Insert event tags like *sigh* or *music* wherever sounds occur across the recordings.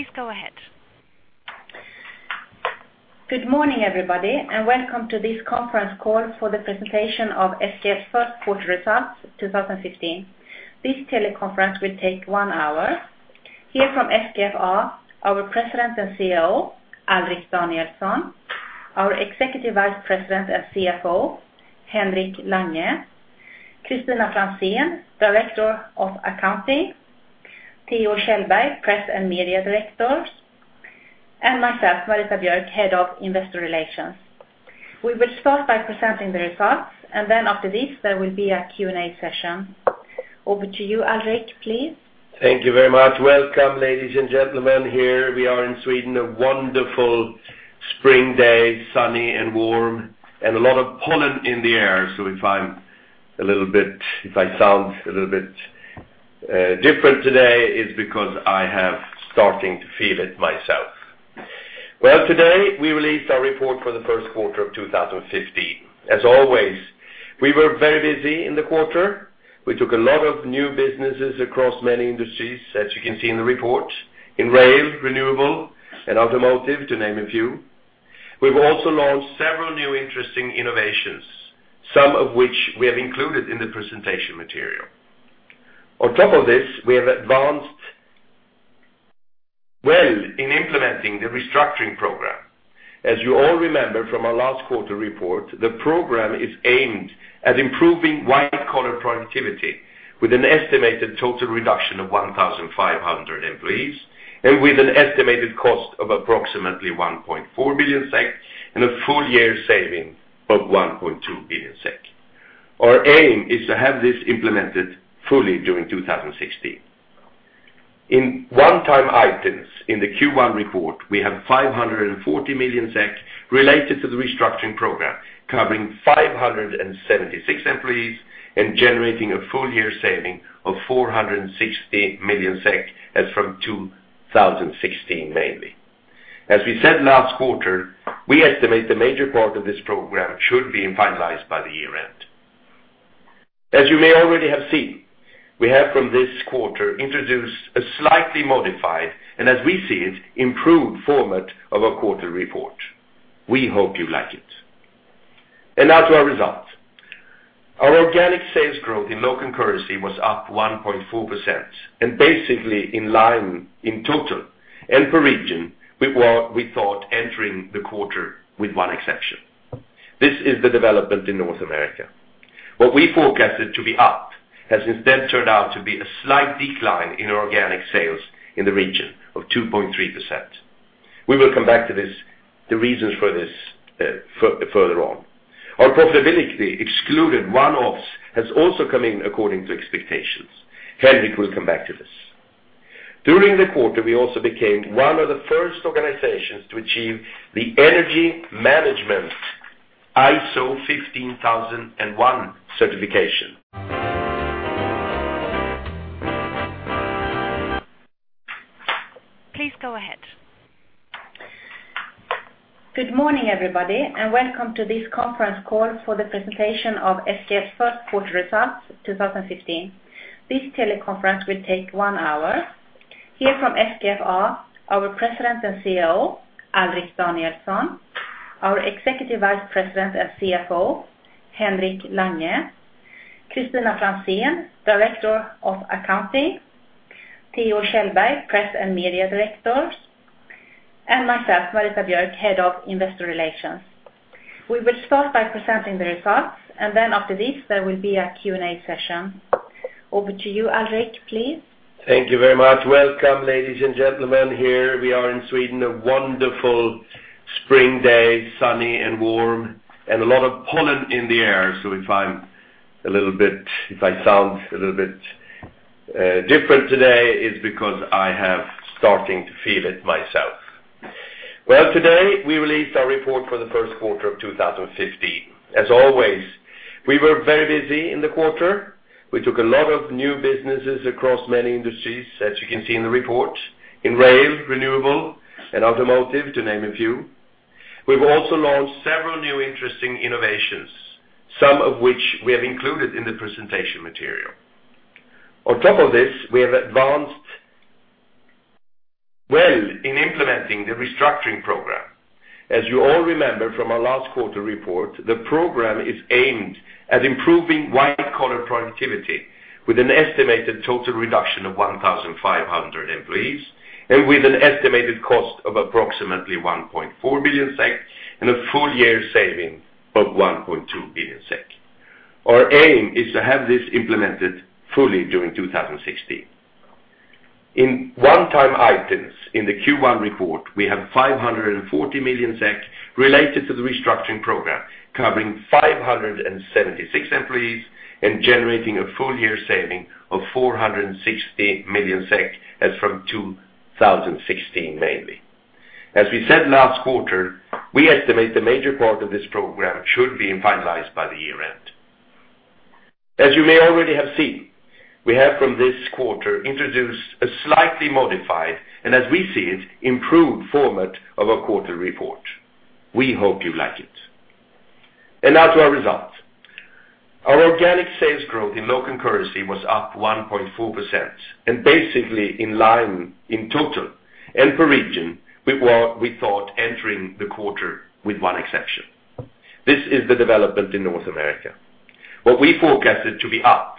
Please go ahead. Good morning, everybody and welcome to this conference call for the presentation of SKF's First Quarter Results 2015. This teleconference will take one hour. Here from SKF are our President and CEO, Alrik Danielson, our Executive Vice President and CFO, Henrik Lange, Carina Fransson, Director of Accounting, Theo Kjellberg, Press and Media Director, and myself, Marita Björk, Head of Investor Relations. We will start by presenting the results, and then after this, there will be a Q&A session. Over to you, Alrik, please. Thank you very much. Welcome, ladies and gentlemen. Here we are in Sweden, a wonderful spring day, sunny and warm, and a lot of pollen in the air. So, if I'm a little bit if I sound a little bit different today, it's because I have starting to feel it myself. Well, today, we released our report for the first quarter of 2015. As always, we were very busy in the quarter. We took a lot of new businesses across many industries, as you can see in the report, in rail, renewable, and automotive, to name a few. We've also launched several new interesting innovations, some of which we have included in the presentation material. On top of this, we have advanced well in implementing the restructuring program. As you all remember from our last quarter report, the program is aimed at improving white-collar productivity with an estimated total reduction of 1,500 employees, and with an estimated cost of approximately 1.4 billion SEK, and a full year saving of 1.2 billion SEK. Our aim is to have this implemented fully during 2016. In one-time items in the first quarter report, we have 540 million SEK related to the restructuring program, covering 576 employees and generating a full year saving of 460 million SEK, as from 2016, mainly. As we said last quarter, we estimate the major part of this program should be finalized by the year end. As you may already have seen, we have, from this quarter, introduced a slightly modified, and as we see it, improved format of our quarter report. We hope you like it. Now to our results. Our organic sales growth in local currency was up 1.4%, and basically in line in total and per region, with what we thought entering the quarter, with one exception. This is the development in North America. What we forecasted to be up,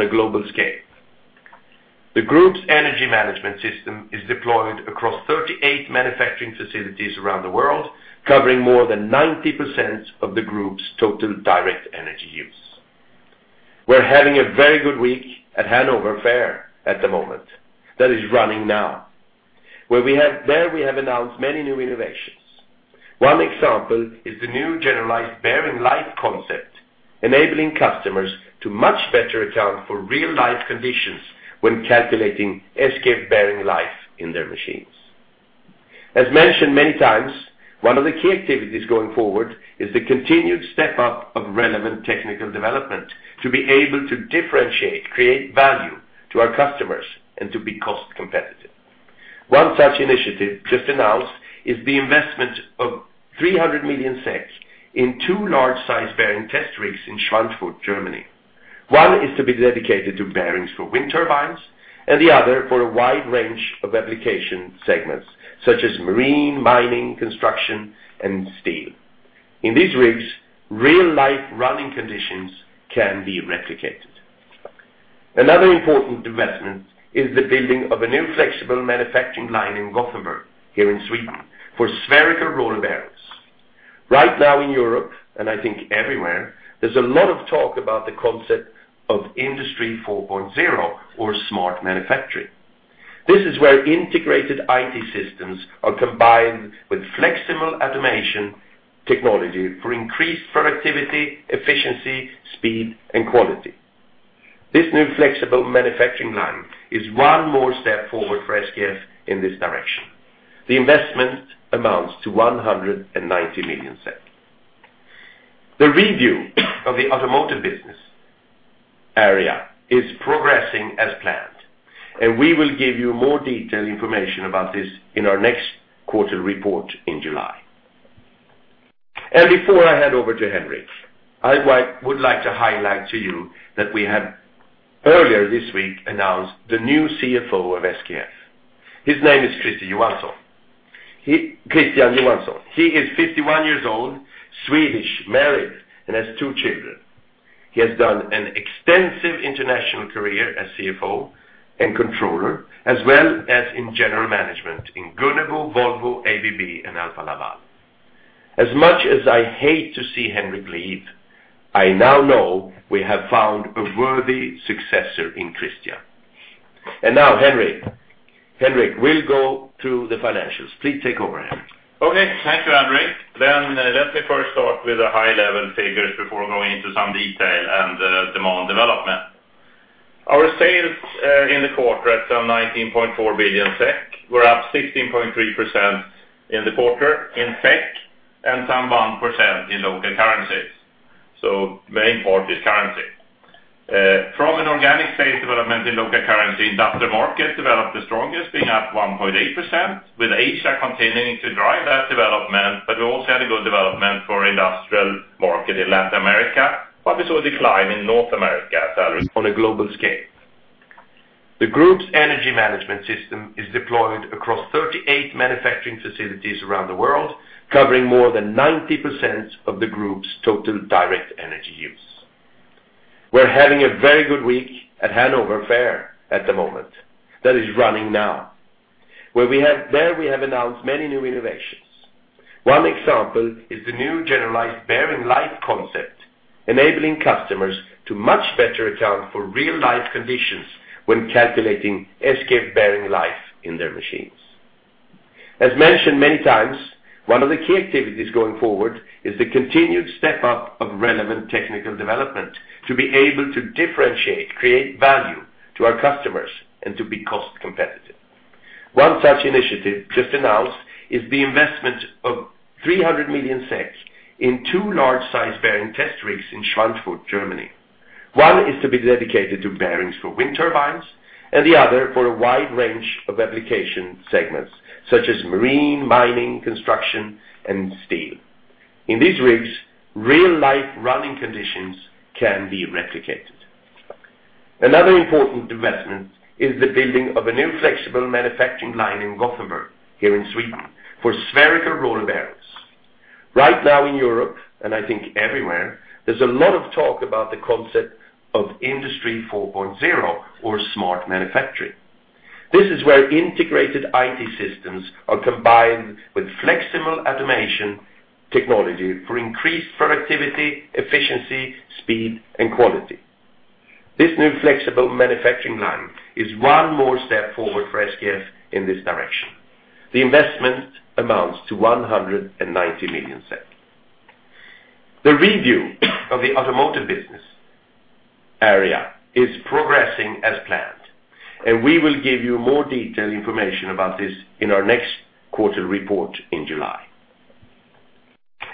a global scale. The group's energy management system is deployed across 38 manufacturing facilities around the world, covering more than 90% of the group's total direct energy use. We're having a very good week at Hanover Fair at the moment, that is running now. Where we have there, we have announced many new innovations. One example is the new generalized bearing life concept, enabling customers to much better account for real-life conditions when calculating SKF bearing life in their machines. As mentioned many times, one of the key activities going forward is the continued step-up of relevant technical development, to be able to differentiate, create value to our customers, and to be cost competitive. One such initiative, just announced, is the investment of 300 million SEK in two large size bearing test rigs in Schweinfurt, Germany. One is to be dedicated to bearings for wind turbines, and the other for a wide range of application segments, such as marine, mining, construction, and steel. In these rigs, real-life running conditions can be replicated. Another important investment is the building of a new flexible manufacturing line in Gothenburg, here in Sweden, for spherical roller bearings. Right now in Europe, and I think everywhere, there's a lot of talk about the concept of Industry 4.0 or smart manufacturing. This is where integrated IT systems are combined with flexible automation technology for increased productivity, efficiency, speed, and quality. This new flexible manufacturing line is one more step forward for SKF in this direction. The investment amounts to 190 million. The review of the automotive business area is progressing as planned, and we will give you more detailed information about this in our next quarter report in July. Before I hand over to Henrik,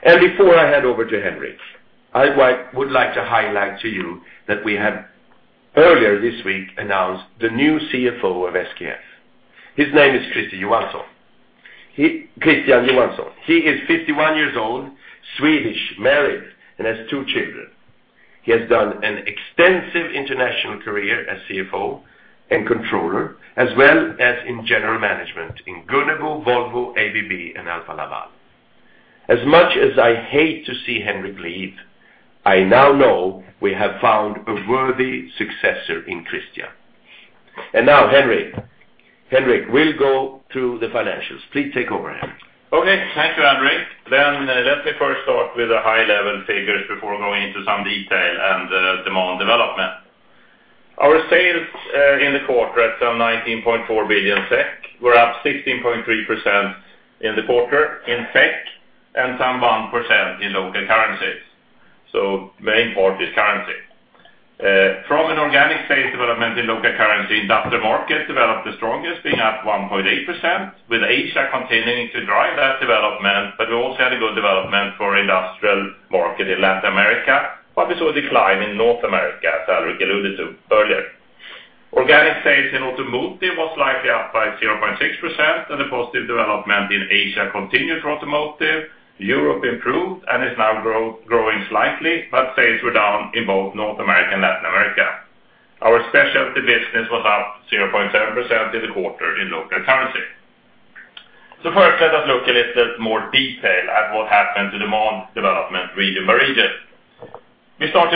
I would like to highlight to you that we have earlier this week announced the new CFO of SKF. His name is Christian Johansson. He is 51 years old, Swedish, married, and has two children. He has done an extensive international career as CFO and controller, as well as in general management in Gunnebo, Volvo, ABB, and Alfa Laval. As much as I hate to see Henrik leave, I now know we have found a worthy successor in Christian. Now, Henrik. Henrik, we'll go through the financials. Please take over, Henrik. Okay, thank you, Alrik. Then, let me first start with the high-level figures before going into some detail and demand development. Our sales in the quarter at some 19.4 billion SEK, were up 16.3% in the quarter in SEK, Europe improved and is now growing slightly, but sales were down in both North America and Latin America. Our specialty business was up 0.7% in the quarter in local currency. So, first, let us look a little more detail at what happened to demand development region by region. We start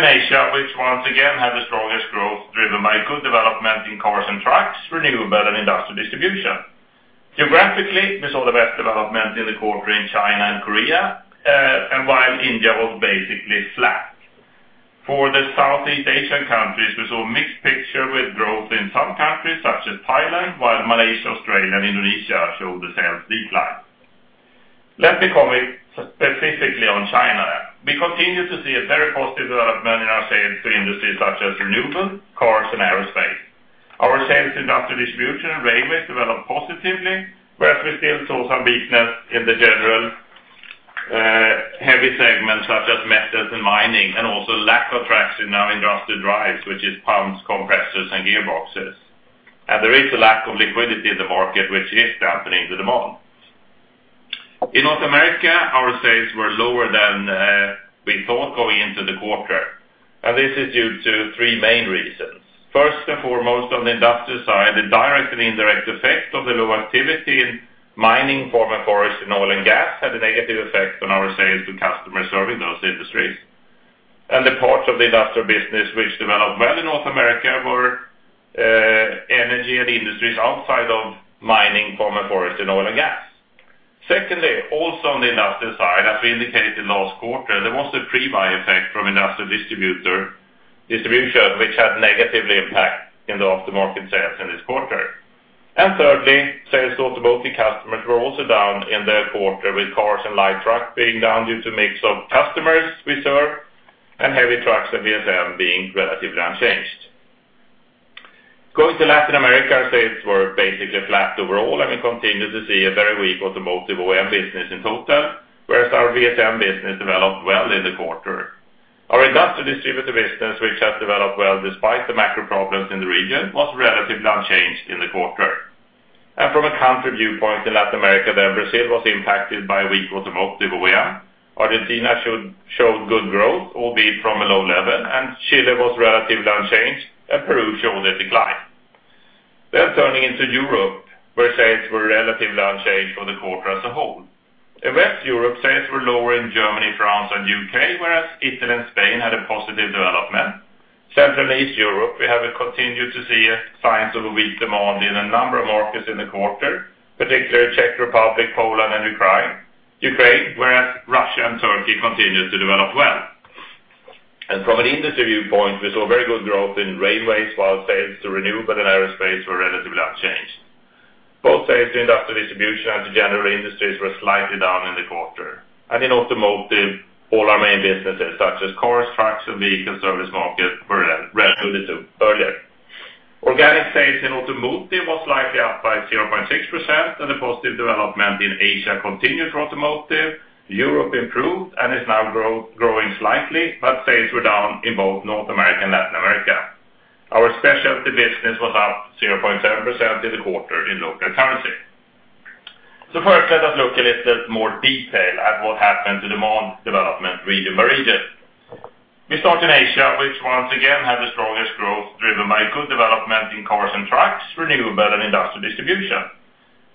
in Asia, which once again had the strongest growth driven by good development in cars and trucks, renewable and industrial distribution.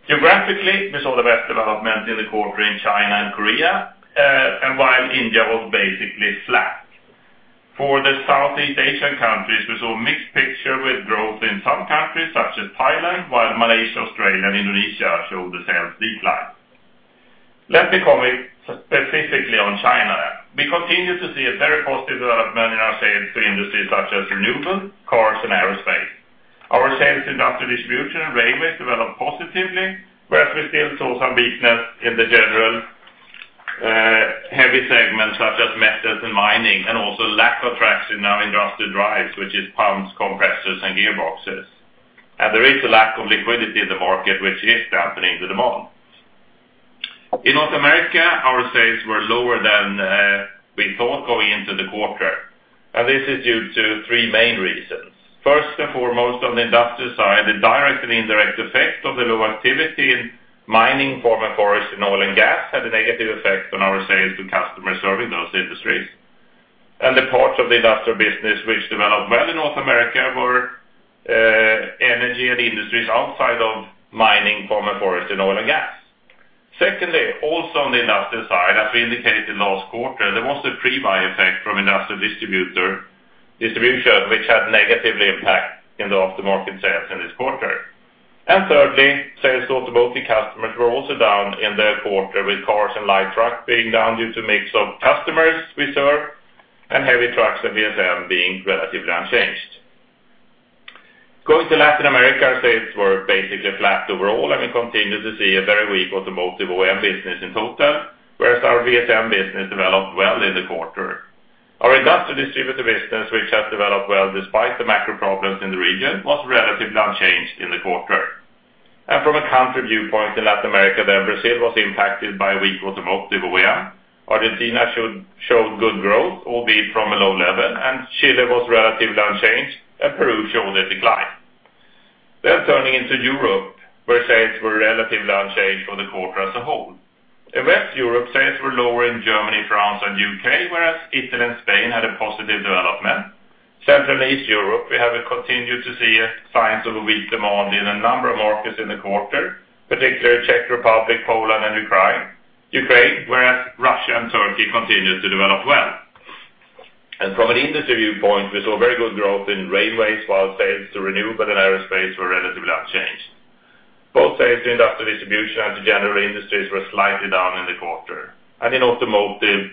Geographically, we saw the best development in the quarter in China and Korea, and while India was basically flat. For the Southeast Asian countries, we saw a mixed picture with growth in some countries such as Thailand, while Malaysia, Australia, and Indonesia showed the sales decline. Let me comment specifically on China. We continue to see a very positive development in our sales to industries such as renewable, cars, and aerospace. Our sales in industrial distribution and railways developed positively, whereas we still saw some weakness in the general heavy segments such as metals and mining, and also lack of traction now in industrial drives, which is pumps, compressors, and gearboxes. There is a lack of liquidity in the market, which is dampening the demand. In North America, our sales were lower than we thought going into the quarter, and this is due to three main reasons. First and foremost, on the industrial side, the direct and indirect effect of the low activity in mining, pharma, forest, and oil and gas had a negative effect on our sales to customers serving those industries. The parts of the industrial business which developed well in North America were energy and industries outside of mining, pharma, forest, and oil and gas. Secondly, also on the industrial side, as we indicated in last quarter, there was a pre-buy effect from industrial distribution, which had a negative impact on the aftermarket sales in this quarter. Thirdly, sales to automotive customers were also down in the quarter, with cars and light trucks being down due to the mix of customers we serve, and heavy trucks and VSM being relatively unchanged. Going to Latin America, sales were basically flat overall, and we continue to see a very weak automotive OEM business in total, whereas our VSM business developed well in the quarter. Our industrial distributor business, which has developed well despite the macro problems in the region, was relatively unchanged in the quarter. From a country viewpoint in Latin America, Brazil was impacted by a weak automotive OEM. Argentina showed good growth, albeit from a low level, and Chile was relatively unchanged, and Peru showed a decline. Then turning into Europe, where sales were relatively unchanged for the quarter as a whole. In West Europe, sales were lower in Germany, France, and UK, whereas Italy and Spain had a positive development. Central and East Europe, we have continued to see signs of a weak demand in a number of markets in the quarter, particularly Czech Republic, Poland, and Ukraine, whereas Russia and Turkey continued to develop well. And from an industry viewpoint, we saw very good growth in railways, while sales to renewable and aerospace were relatively unchanged. Both sales to industrial distribution and to general industries were slightly down in the quarter, and in automotive,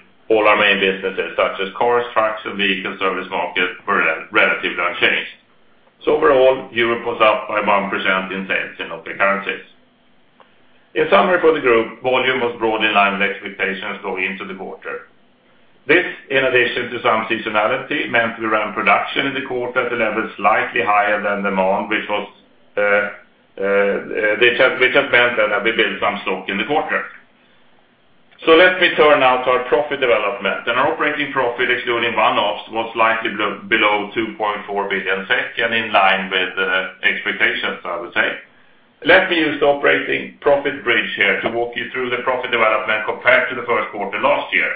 So, let me turn now to our profit development, and our operating profit, excluding one-offs, was slightly below 2.4 billion SEK, and in line with expectations, I would say. Let me use the operating profit bridge here to walk you through the profit development compared to the first quarter last year.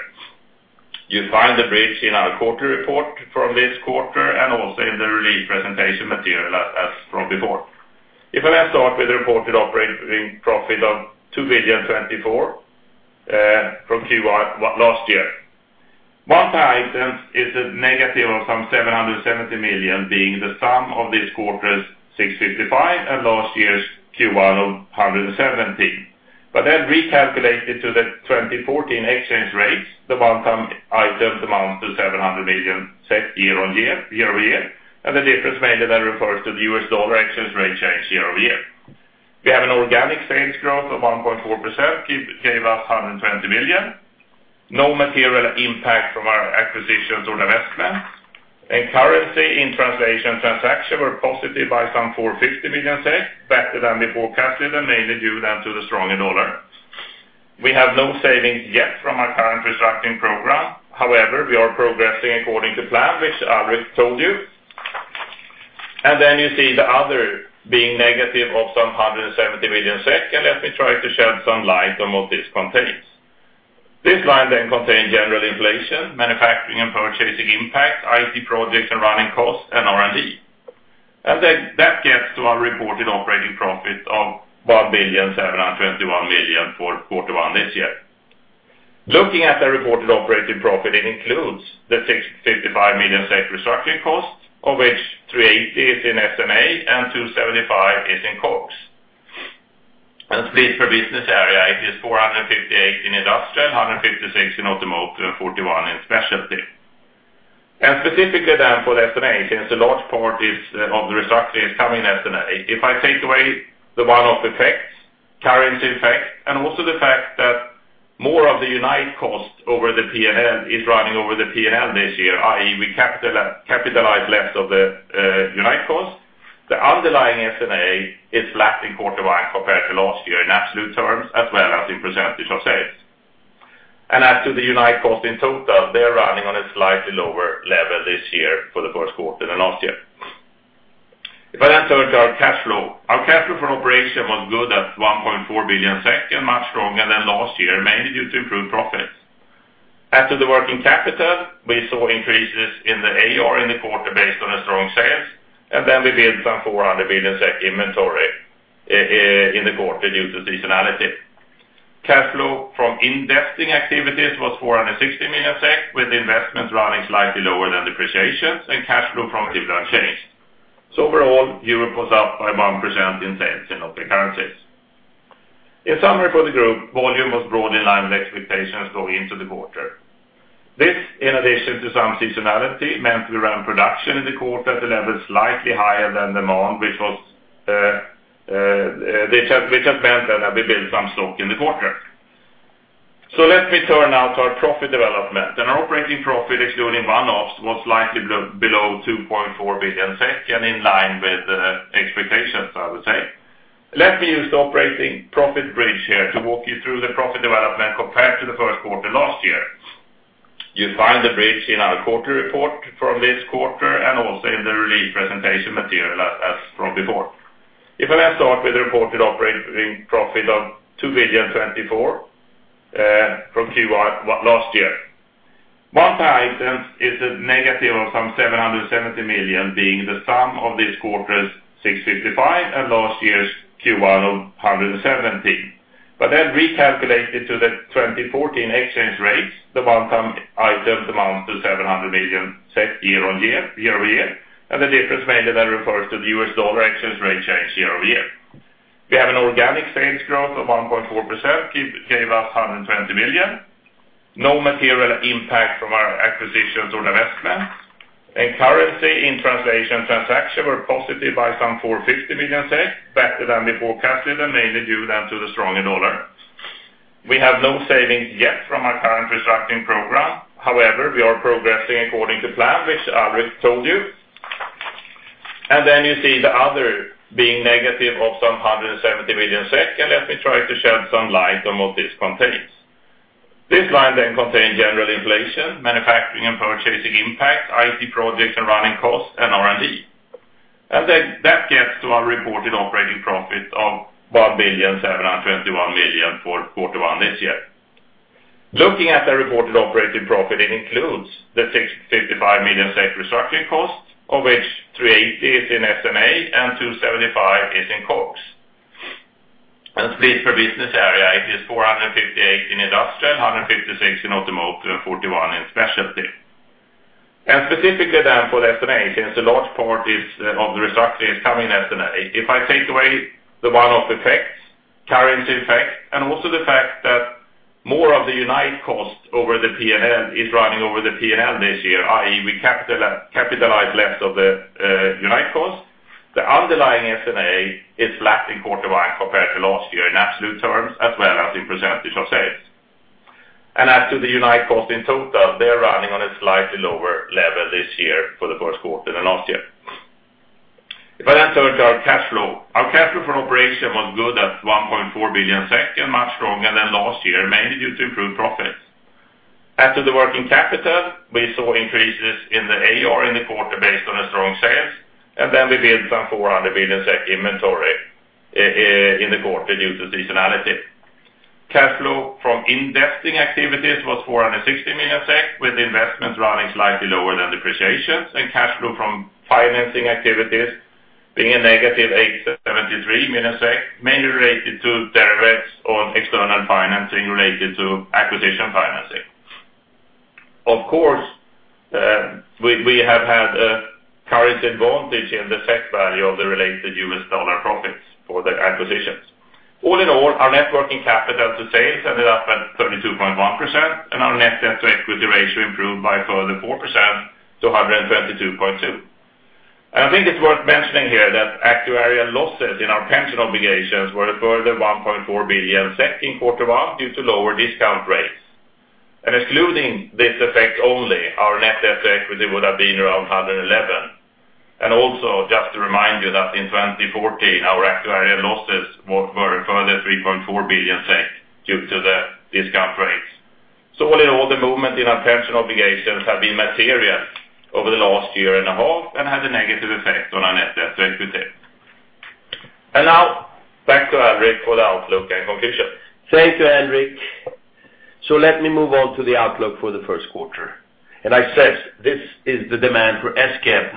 You'll find the bridge in our quarter report from this quarter, and also in the release presentation material as from before. If I now start with the reported operating profit of 2,024 million from first quarter last year. One-time item is a negative of some 770 million, being the sum of this quarter's 655 million and last year's first quarter of 117 million. But then recalculated to the 2014 exchange rates, the one-time items amounts to 700 million year on year, year over year, and the difference mainly then refers to the US dollar exchange rate change year over year. We have an organic sales growth of 1.4%, gave us 120 million. No material impact from our acquisitions or divestments, and currency in translation and transaction were positive by 450 million, better than we forecasted, and mainly due then to the stronger dollar. We have no savings yet from our current restructuring program. However, we are progressing according to plan, which I already told you. Then you see the other being negative of 170 million SEK, and let me try to shed some light on what this contains. This line then contain general inflation, manufacturing and purchasing impact, IT projects and running costs, and R&D. Then that gets to our reported operating profit of 1,721 million for quarter one this year. Looking at the reported operating profit, it includes the 655 million restructuring costs, of which 380 is in S&A and 275 is in COGS. Split per business area, it is 458 in industrial, 156 in automotive, and 41 in specialty. Specifically then for the SMA, since a large part is, of the restructuring is coming in SMA, if I take away the one-off effects, currency effects, and also the fact that more of the UNITE costs over the P&L is running over the P&L this year, i.e., we capitalize less of the UNITE cost. The underlying S&A is flat in quarter one compared to last year in absolute terms, as well as in percentage of sales. As to the UNITE cost in total, they're running on a slightly lower level this year for the first quarter than last year. If I then turn to our cash flow. Our cash flow from operation was good at 1.4 billion, and much stronger than last year, mainly due to improved profits. As to the working capital, we saw increases in the AR in the quarter based on a strong sales, and then we built some 400 million SEK inventory in the quarter due to seasonality. Cash flow from investing activities was 460 million SEK, with investments running slightly lower than depreciations, and cash flow from similar change... so, overall, Europe was up by 1% in sales in all the currencies. In summary for the group, volume was broadly in line with expectations going into the quarter. This, in addition to some seasonality, meant we ran production in the quarter at a level slightly higher than demand, which has meant that we built some stock in the quarter. Let me turn now to our profit development. Our operating profit, excluding one-offs, was slightly below 2.4 billion SEK, and in line with expectations, I would say. Let me use the operating profit bridge here to walk you through the profit development compared to the first quarter last year. You'll find the bridge in our quarter report from this quarter, and also in the release presentation material as from before. If I then start with the reported operating profit of 2.024 billion from first quarter last year. One item is a negative of some 770 million, being the sum of this quarter's 655 million and last year's first quarter of 170 million. But then recalculated to the 2014 exchange rates, the one-time items amount to 700 million year-over-year, and the difference mainly then refers to the US dollar exchange rate change year-over-year. We have an organic sales growth of 1.4%, gave us 120 million. No material impact from our acquisitions or divestments, and currency translation transactions were positive by some 450 million, better than we forecasted, and mainly due then to the stronger dollar. We have no savings yet from our current restructuring program. However, we are progressing according to plan, which Alrik told you. Then you see the other being negative 170 million and let me try to shed some light on what this contains. This line then contains general inflation, manufacturing and purchasing impact, IT projects and running costs, and R&D. And then that gets to our reported operating profit of 1,721 million for quarter one this year. Looking at the reported operating profit, it includes the 655 million restructuring costs, of which 380 is in S&A and 275 is in COGS. And split per business area, it is 458 in industrial, 156 in automotive, and 41 in specialty. Specifically then for the SMA, since a large part is of the restructuring is coming in SMA, if I take away the one-off effects, currency effects, and also the fact that more of the UNITE costs over the P&L is running over the P&L this year, i.e., we capitalize less of the UNITE costs. The underlying S&A is flat in quarter one compared to last year in absolute terms, as well as in percentage of sales. As to the UNITE costs in total, they're running on a slightly lower level this year for the first quarter than last year. If I then turn to our cash flow. Our cash flow from operation was good at 1.4 billion, much stronger than last year, mainly due to improved profits. As to the working capital, we saw increases in the AR in the quarter based on the strong sales, and then we built some 400 million SEK inventory in the quarter due to seasonality. Cash flow from investing activities was 460 million SEK, with investments running slightly lower than depreciation, and cash flow from financing activities being a negative 873 million, mainly related to the rates on external financing related to acquisition financing. Of course, we, we have had a currency advantage in the SEK value of the related US dollar profits for the acquisitions. All in all, our net working capital to sales ended up at 32.1%, and our net debt to equity ratio improved by a further 4% to 122.2. I think it's worth mentioning here that actuarial losses in our pension obligations were a further 1.4 billion in quarter one due to lower discount rates. Excluding this effect only, our net debt to equity would have been around 111 million. Also, just to remind you that in 2014, our actuarial losses were a further 3.4 billion due to the discount rates. So, all in all, the movement in our pension obligations have been material over the last year and a half, and had a negative effect on our net debt to equity. Now, back to Alrik for the outlook and conclusion. Thank you, Henrik. Let me move on to the outlook for the first quarter. I said, this is the demand for SKF,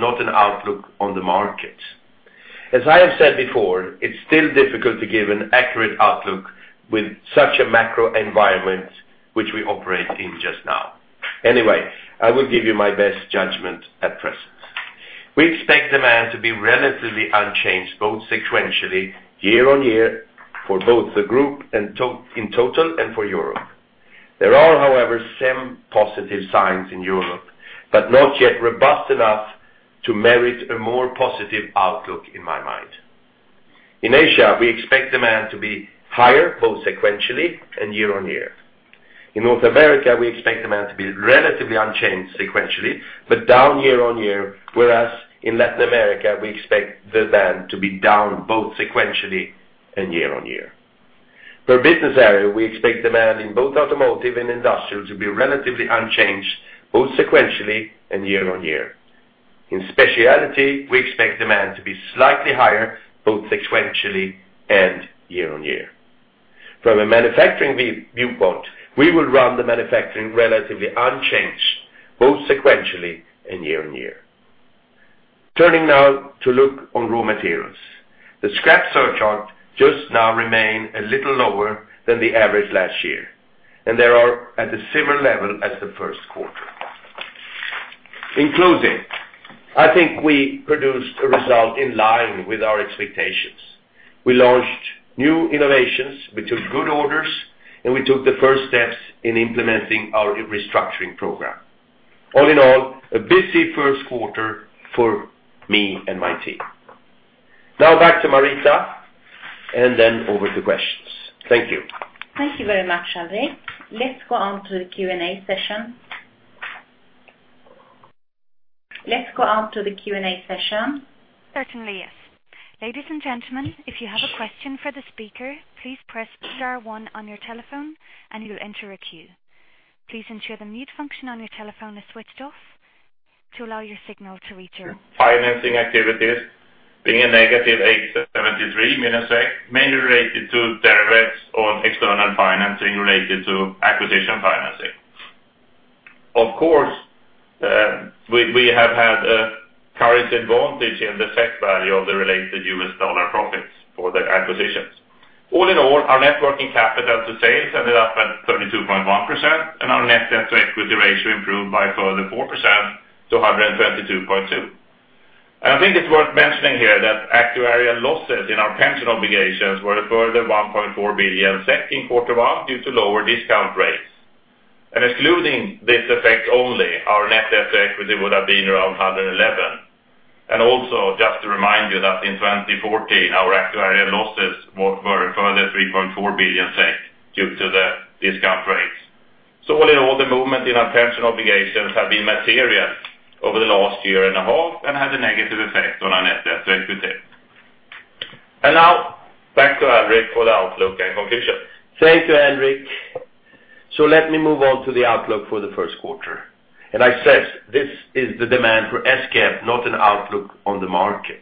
not an outlook on the market.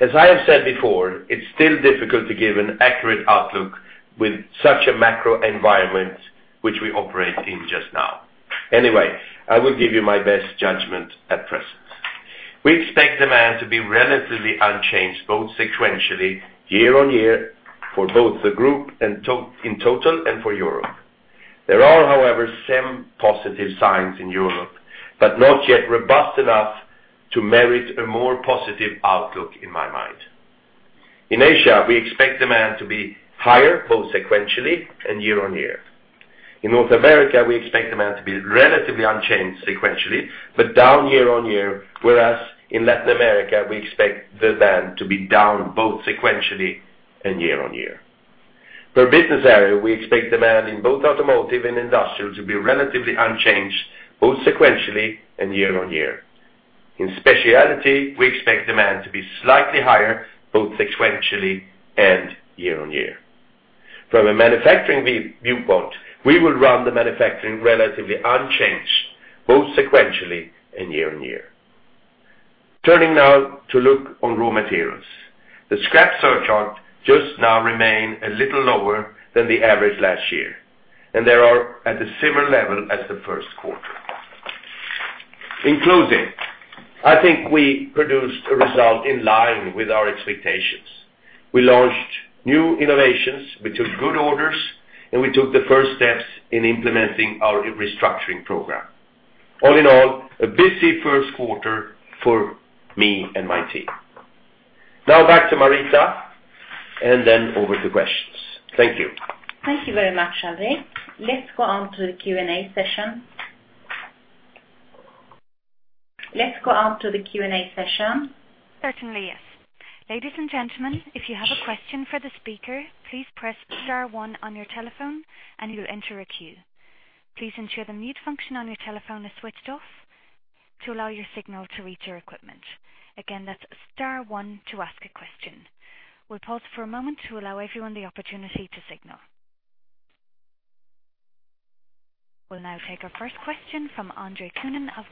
As I have said before, it's still difficult to give an accurate outlook with such a macro environment, which we operate in just now. Anyway, I will give you my best judgment at present. We expect demand to be relatively unchanged, both sequentially, year-over-year, for both the group and in total, and for Europe. There are, however, some positive signs in Europe, but not yet robust enough to merit a more positive outlook in my mind. In Asia, we expect demand to be higher, both sequentially and year-over-year. In North America, we expect demand to be relatively unchanged sequentially, but down year-over-year, whereas in Latin America, we expect the demand to be down both sequentially and year-over-year. Per business area, we expect demand in both automotive and industrial to be relatively unchanged, both sequentially and year-over-year. In specialty, we expect demand to be slightly higher, both sequentially and year-over-year. From a manufacturing viewpoint, we will run the manufacturing relatively unchanged, both sequentially and year-over-year. Turning now to look on raw materials. The scrap surcharge just now remain a little lower than the average last year, and they are at a similar level as the first quarter. In closing, I think we produced a result in line with our expectations. We launched new innovations, we took good orders, and we took the first steps in implementing our restructuring program. All in all, a busy first quarter for me and my team. Now back to Marita, We'll pause for a moment to allow everyone the opportunity to signal. We'll now take our first question from Andre Kukhnin of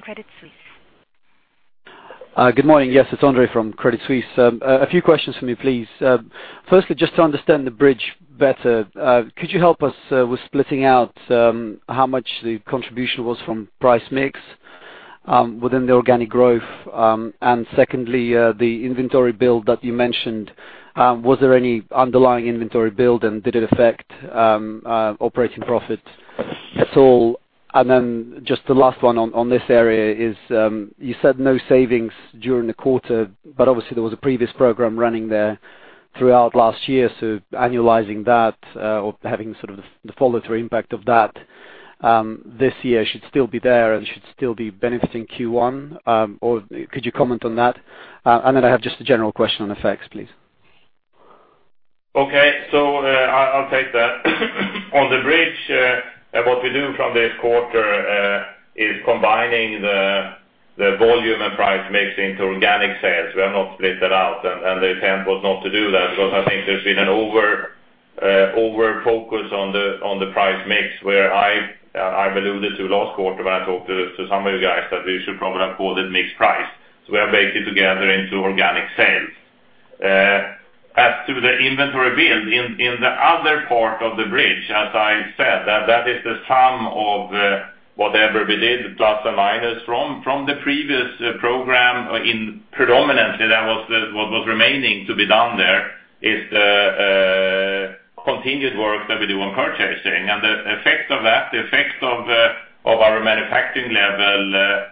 Credit Suisse. Good morning. Yes, it's Andre from Credit Suisse. A few questions for me, please. Firstly, just to understand the bridge better, could you help us with splitting out how much the contribution was from price mix within the organic growth? And secondly, the inventory build that you mentioned, was there any underlying inventory build, and did it affect operating profit at all? And then just the last one on this area is, you said no savings during the quarter, but obviously there was a previous program running there throughout last year. So, annualizing that, or having sort of the follow-through impact of that this year, should still be there and should still be benefiting first quarter? Or could you comment on that? I have just a general question on the FX, please. Okay, so, I'll take that. On the bridge, what we do from this quarter is combining the volume and price mix into organic sales. We have not split that out, and the attempt was not to do that because I think there's been an overfocus on the price mix, where I alluded to last quarter when I talked to some of you guys, that we should probably have called it mixed price. So we are baking together into organic sales. As to the inventory build, in the other part of the bridge, as I said, that is the sum of whatever we did, plus or minus from the previous program, in predominantly, that was the... what was remaining to be done there is the continued work that we do on purchasing and the effect of that, the effect of our manufacturing level,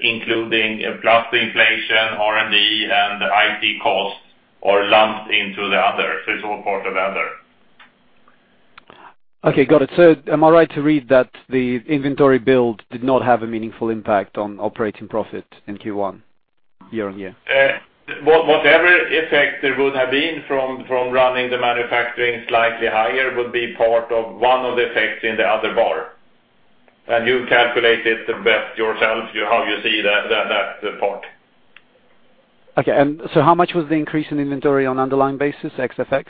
including plus the inflation, R&D, and IT costs, are lumped into the other physical part of other. Okay, got it. Am I right to read that the inventory build did not have a meaningful impact on operating profit in first quarter year-over-year? Whatever effect there would have been from running the manufacturing slightly higher would be part of one of the effects in the other bar. And you calculate it the best yourself, how you see that part. Okay, and so how much was the increase in inventory on underlying basis, XFX?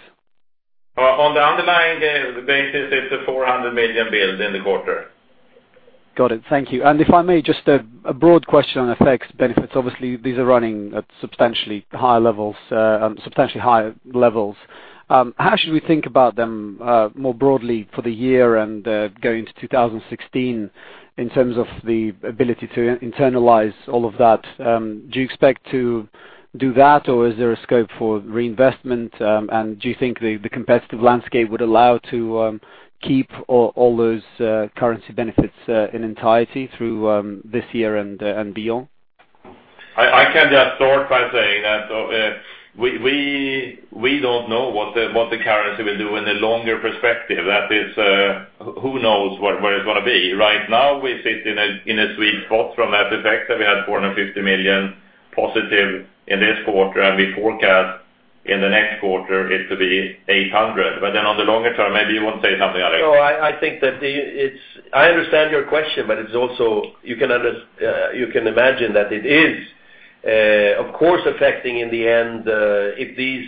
On the underlying basis, it's a 400 million build in the quarter. Got it. Thank you. If I may, just a broad question on FX benefits. Obviously, these are running at substantially higher levels, substantially higher levels. How should we think about them more broadly for the year and going to 2016, in terms of the ability to internalize all of that? Do you expect to do that, or is there a scope for reinvestment, and do you think the competitive landscape would allow to in the next quarter it to be 800 million. But then on the longer term, maybe you want to say something, Andre? No, I think that the... it's I understand your question, but it's also, you can imagine that it is, of course, affecting in the end, if these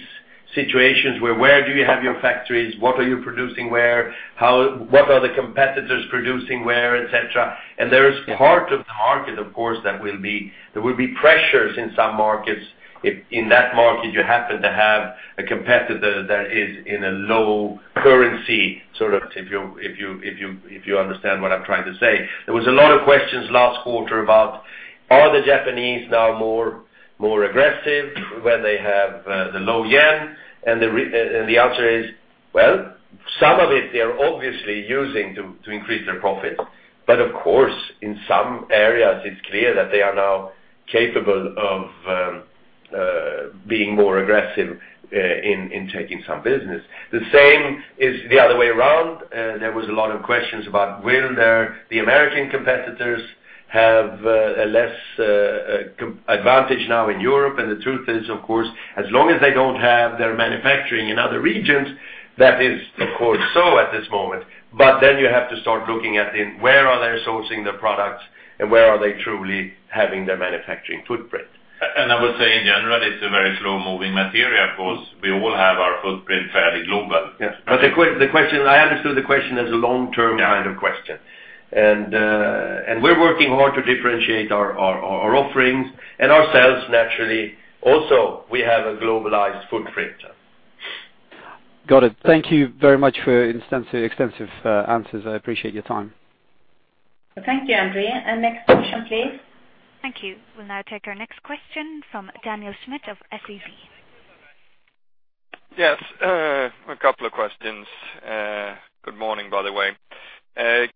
situations where, where do you have your factories? What are you producing where? How, what are the competitors producing where? Et cetera. There is part of the market, of course, that will be pressures in some markets. If in that market you happen to have a competitor that is in a low currency, sort of, if you understand what I'm trying to say. There was a lot of questions last quarter about, are the Japanese now more aggressive when they have the low yen? And the answer is, well, some of it, they are obviously using to increase their profit. But of course, in some areas, it's clear that they are now capable of being more aggressive, in taking some business. The same is the other way around. There was a lot of questions about will there, the American competitors have, a less, advantage now in Europe? And the truth is, of course, as long as they don't have their manufacturing in other regions, that is, of course, so at this moment. But then you have to start looking at in where are they sourcing their products and where are they truly having their manufacturing footprint. I would say, in general, it's a very slow-moving material because we all have our footprint fairly global. Yes. But the question, I understood the question as a long-term kind of question. Yeah. We're working hard to differentiate our offerings and ourselves, naturally. Also, we have a globalized footprint. Got it. Thank you very much for extensive, extensive, answers. I appreciate your time. Thank you, Andre. Next question, please. Thank you. We'll now take our next question from Daniel Schmidt of SEB. Yes, a couple of questions. Good morning, by the way.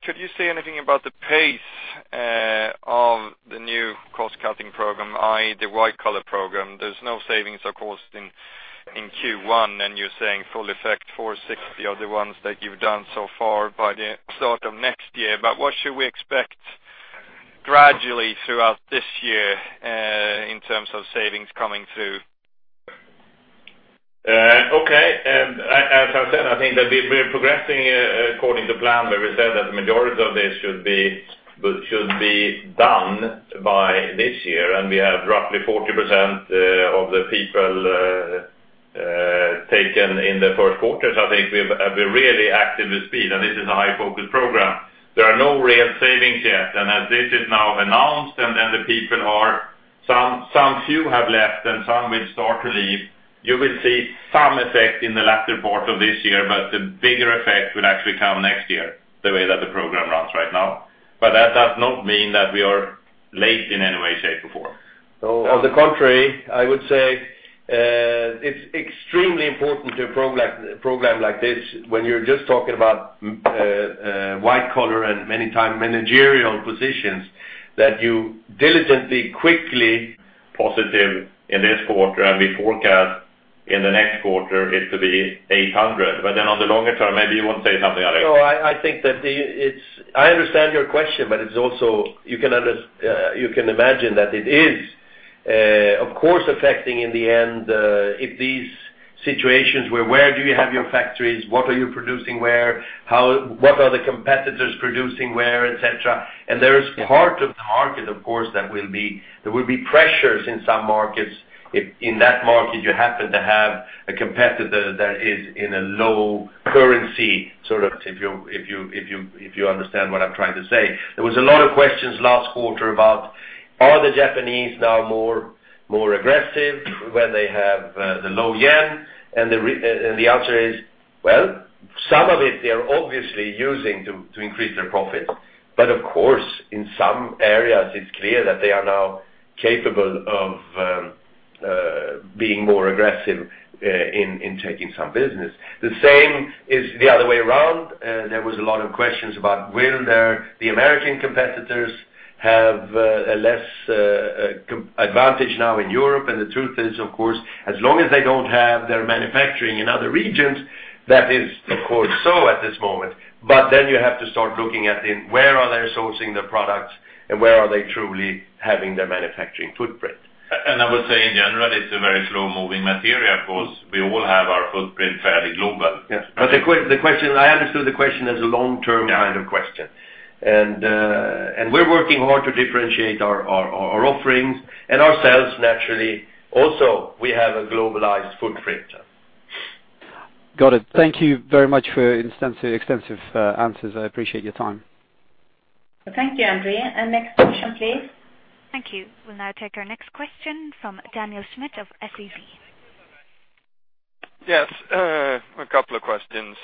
Could you say anything about the pace of the new cost-cutting program, i.e., the white collar program? There's no savings, of course, in first quarter, and you're saying full effect, 460 are the ones that you've done so far by the start of next year. But what should we expect gradually throughout this year in terms of savings coming through? Okay. As I said, I think that we've been progressing according to plan, where we said that the majority of this should be done by this year, and we have roughly 40% of the people taken in the first quarter. So, I think we're really active with speed, and this is a high-focus program. There are no real savings yet, and as this is now announced, and then the people are, some few have left, and some will start to leave. You will see some effect in the latter part of this year, but the bigger effect will actually come next year, the way that the program runs right now. But that does not mean that we are late in any way, shape, or form. So on the contrary, I would say, it's extremely important to a program like this, when you're just talking about many time managerial positions, that you diligently, quickly- Positive in this quarter, and we forecast in the next quarter it to be 800 million. But then on the longer term, maybe you want to say something about it. So I think that it's... I understand your question, but it's also, you can imagine that it is, of course, affecting in the end, if these situations where, where do you have your factories? What are you producing where? How, what are the competitors producing where, et cetera. And there is part of the market, of course, that will be, there will be pressures in some markets. If in that market you happen to have a competitor that is in a low currency, sort of, if you understand what I'm trying to say. There was a lot of questions last quarter about, are the Japanese now more aggressive when they have the low yen? And the answer is, well, some of it, they are obviously using to increase their profit. But of course, in some areas, it's clear that they are now capable of being more aggressive in taking some business. The same is the other way around. There was a lot of questions about will there, the American competitors have a less advantage now in Europe? And the truth is, of course, as long as they don't have their manufacturing in other regions, that is, of course, so at this moment. But then you have to start looking at in where are they sourcing their products and where are they truly having their manufacturing footprint. I would say, in general, it's a very slow-moving material because we all have our footprint fairly global. Yes. But the question, I understood the question as a long-term- Yeah kind of question. And, we're working hard to differentiate our offerings and ourselves, naturally. Also, we have a globalized footprint. Got it. Thank you very much for extensive, extensive, answers. I appreciate your time. Thank you, Andre. Next question, please. Thank you. We'll now take our next question from Daniel Schmidt of SEB. Yes, a couple of questions.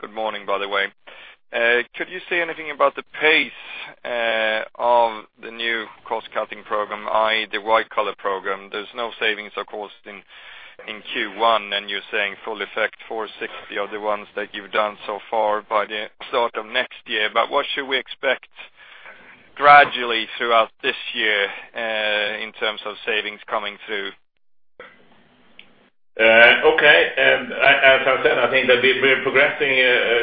Good morning, by the way. Could you say anything about the pace of the new cost-cutting program, i.e., the white collar program? There's no savings, of course, in first quarter, and you're saying full effect, 460 are the ones that you've done so far by the start of next year. But what should we expect gradually throughout this year, in terms of savings coming through? Okay. As I said, I think that we've been progressing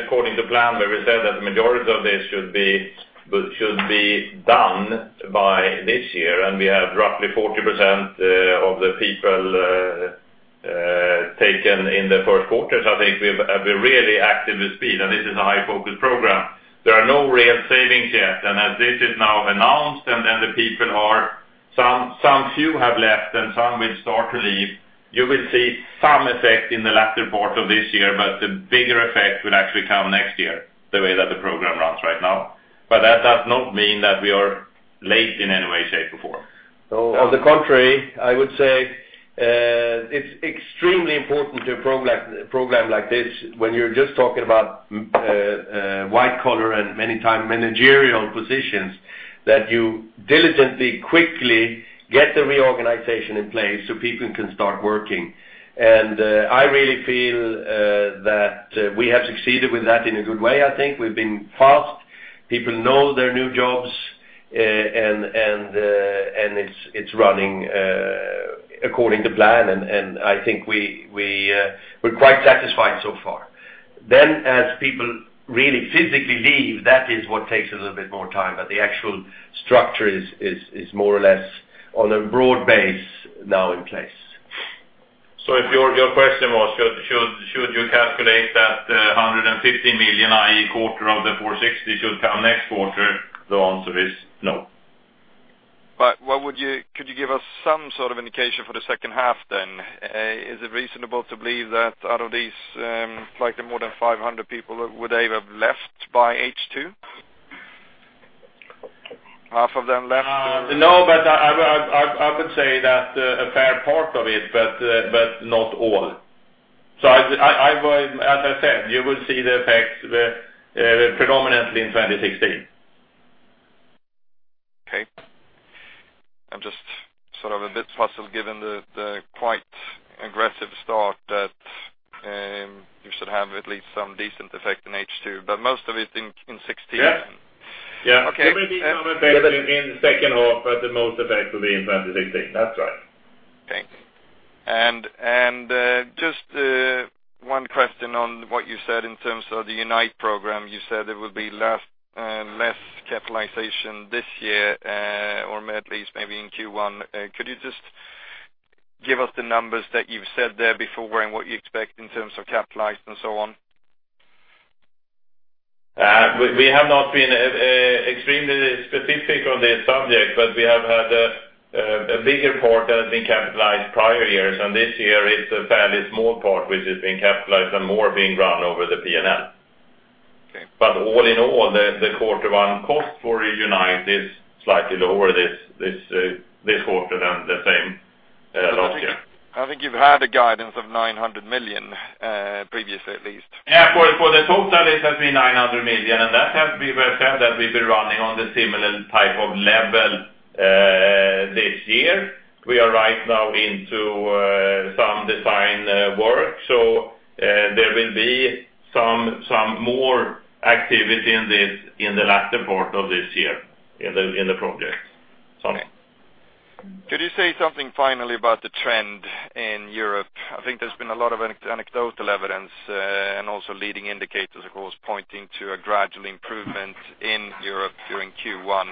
according to plan, where we said that the majority of this should be done by this year, and we have roughly 40% of the people taken in the first quarter. So, I think we're really active with speed, and this is a high-focus program. There are no real savings yet, and as this is now announced, and then the people are some few have left, and some will start to leave. You will see some effect in the latter part of this year, but the bigger effect will actually come next year, the way that the program runs right now. But that does not mean that we are late in any way, shape, or form. So on the contrary, I would say, it's extremely important to a program, program like this, when you're just talking about white collar and many time managerial positions, that you diligently, quickly on a broad base now in place. So, if your question was, should you calculate that the 150 million, i.e., quarter of the 460 million, should come next quarter? The answer is no. What would you... could you give us some sort of indication for the second half then? Is it reasonable to believe that out of these, slightly more than 500 people, would they have left by H2? Half of them left? No, but I would say that a fair part of it, but not all. So, as I said, you will see the effects predominantly in 2016. Okay. I'm just sort of a bit puzzled, given the quite aggressive start, that you should have at least some decent effect in H2, but most of it in 2016. Yeah. Okay. There will be some effect in second half, but the most effect will be in 2016. That's right. Okay. And just one question on what you said in terms of the UNITE program. You said there would be less capitalization this year, or at least maybe in first quarter. Could you just give us the numbers that you've said there before, and what you expect in terms of capitalized and so on? We have not been extremely specific on this subject, but we have had a bigger part that has been capitalized prior years, and this year it's a fairly small part which has been capitalized and more being run over the P&L. Okay. But all in all, the quarter one cost for UNITE is slightly lower, this quarter than the same last year. I think you've had a guidance of 900 million, previously, at least. Yeah, for the total, it has been 900 million, and that has been very fair, that we've been running on the similar type of level this year. We are right now into some design work, so there will be some more activity in this, in the latter part of this year, in the project. Sorry. Could you say something finally about the trend in Europe? I think there's been a lot of anecdotal evidence, and also leading indicators, of course, pointing to a gradual improvement in Europe during first quarter.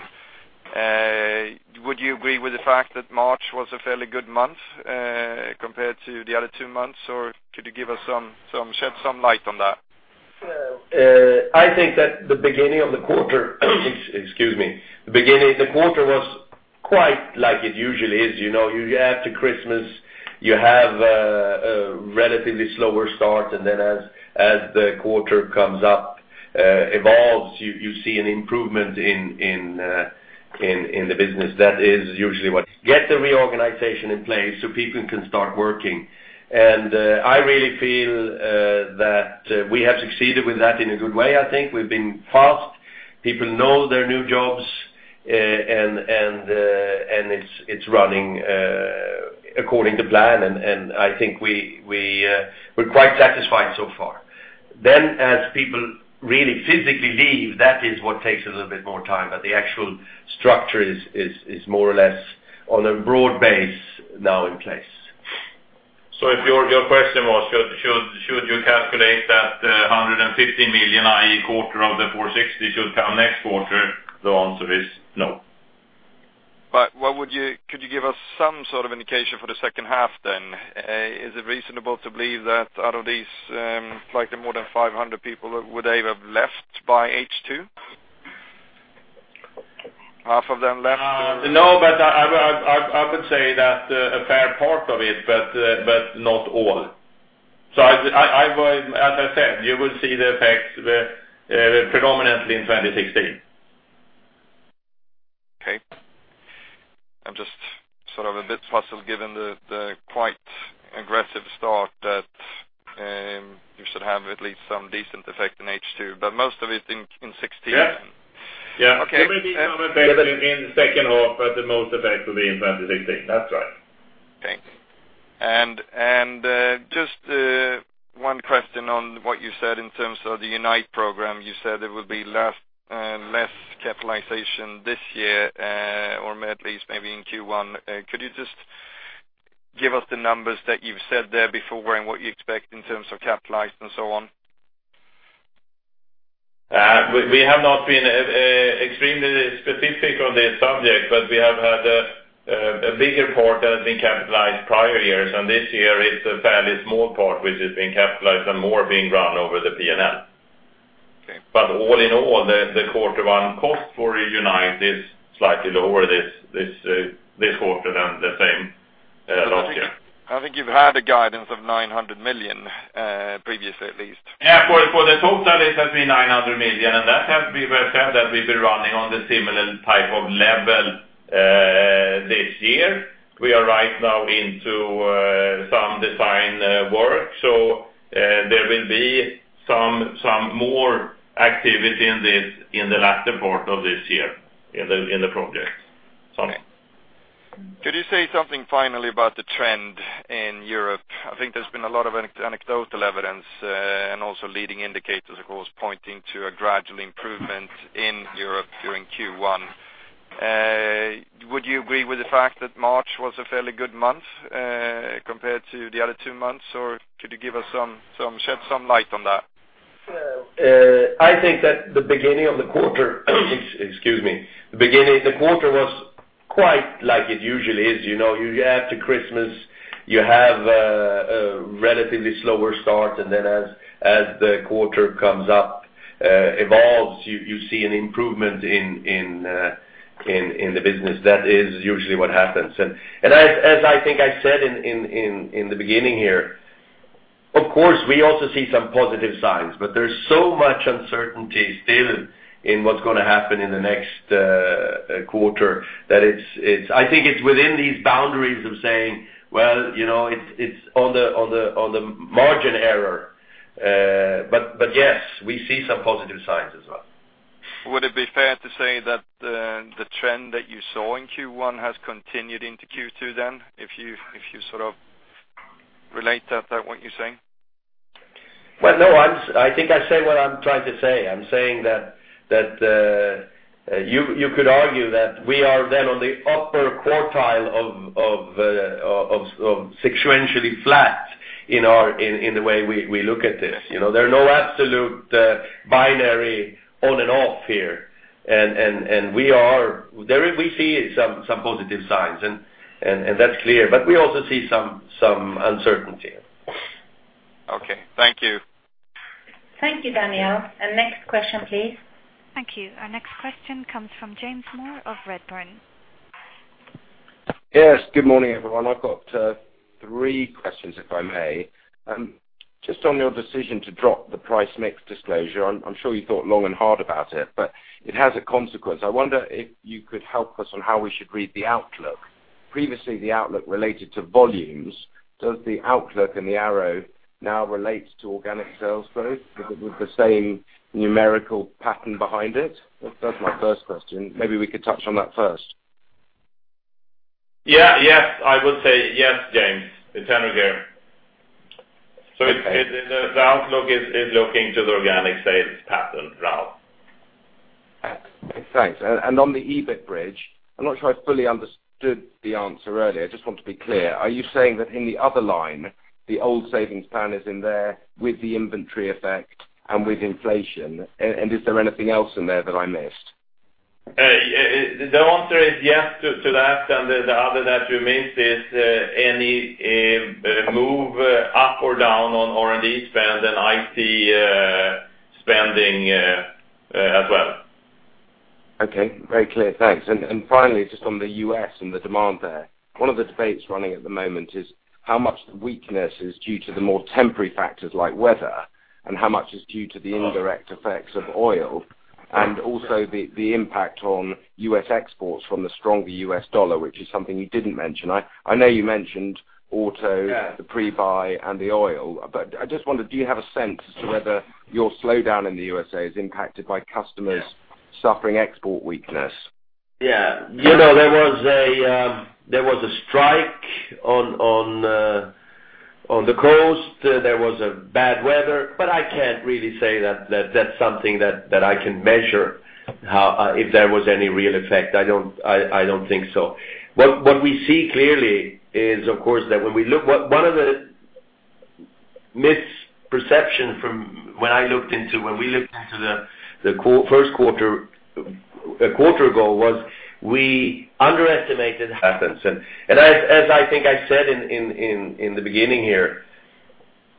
Would you agree with the fact that March was a fairly good month, compared to the other two months? Or could you give us some shed some light on that? I think that the beginning of the quarter, excuse me. The beginning of the quarter was quite like it usually is. You know, you add to Christmas, you have a relatively slower start, and then as the quarter comes up, evolves, you see an improvement in the business. That is usually what happens. And as I think I said in the beginning here, of course, we also see some positive signs, but there's so much uncertainty still in what's gonna happen in the next quarter, that it's... I think it's within these boundaries of saying, well, you know, it's on the margin error. But yes, we see some positive signs as well. Would it be fair to say that the trend that you saw in first quarter has continued into second quarter then, if you sort of relate that to what you're saying? Well, no, I'm... I think I say what I'm trying to say. I'm saying that you could argue that we are then on the upper quartile of sequentially flat in the way we look at this. You know, there are no absolute binary on and off here. And we are... there is... we see some positive signs, and that's clear, but we also see some uncertainty. Okay, thank you. Thank you, Daniel. Next question, please. Thank you. Our next question comes from James Moore of Redburn. Yes, good morning, everyone. I've got three questions, if I may. Just on your decision to drop the price mix disclosure, I'm sure you thought long and hard about it, but it has a consequence. I wonder if you could help us on how we should read the outlook. Previously, the outlook related to volumes. Does the outlook and the arrow now relate to organic sales growth, with the same numerical pattern behind it? That's my first question. Maybe we could touch on that first. Yeah, yes, I would say yes, James. It's Henrik here. Okay. So the outlook is looking to the organic sales pattern now. Thanks. And on the EBIT bridge, I'm not sure I fully understood the answer earlier. I just want to be clear. Are you saying that in the other line, the old savings plan is in there with the inventory effect and with inflation, and is there anything else in there that I missed? Yeah, the answer is yes to that, and the other that you missed is any move up or down on R&D spend and IT spending as well. Okay, very clear. Thanks. And finally, just on the US and the demand there. One of the debates running at the moment is how much the weakness is due to the more temporary factors like weather, and how much is due to the indirect effects of oil, and also the impact on US exports from the stronger US dollar, which is something you didn't mention. I know you mentioned auto- Yeah The pre-buy and the oil, but I just wondered, do you have a sense as to whether your slowdown in the USA is impacted by customers? Yeah Suffering export weakness? Yeah. You know, there was a strike on the coast. There was bad weather, but I can't really say that that's something that I can measure, how if there was any real effect. I don't think so. What we see clearly is, of course, that when we look... what, one of the misperceptions from when I looked into when we looked into the first quarter, a quarter ago, was we underestimated happens. As I think I said in the beginning here,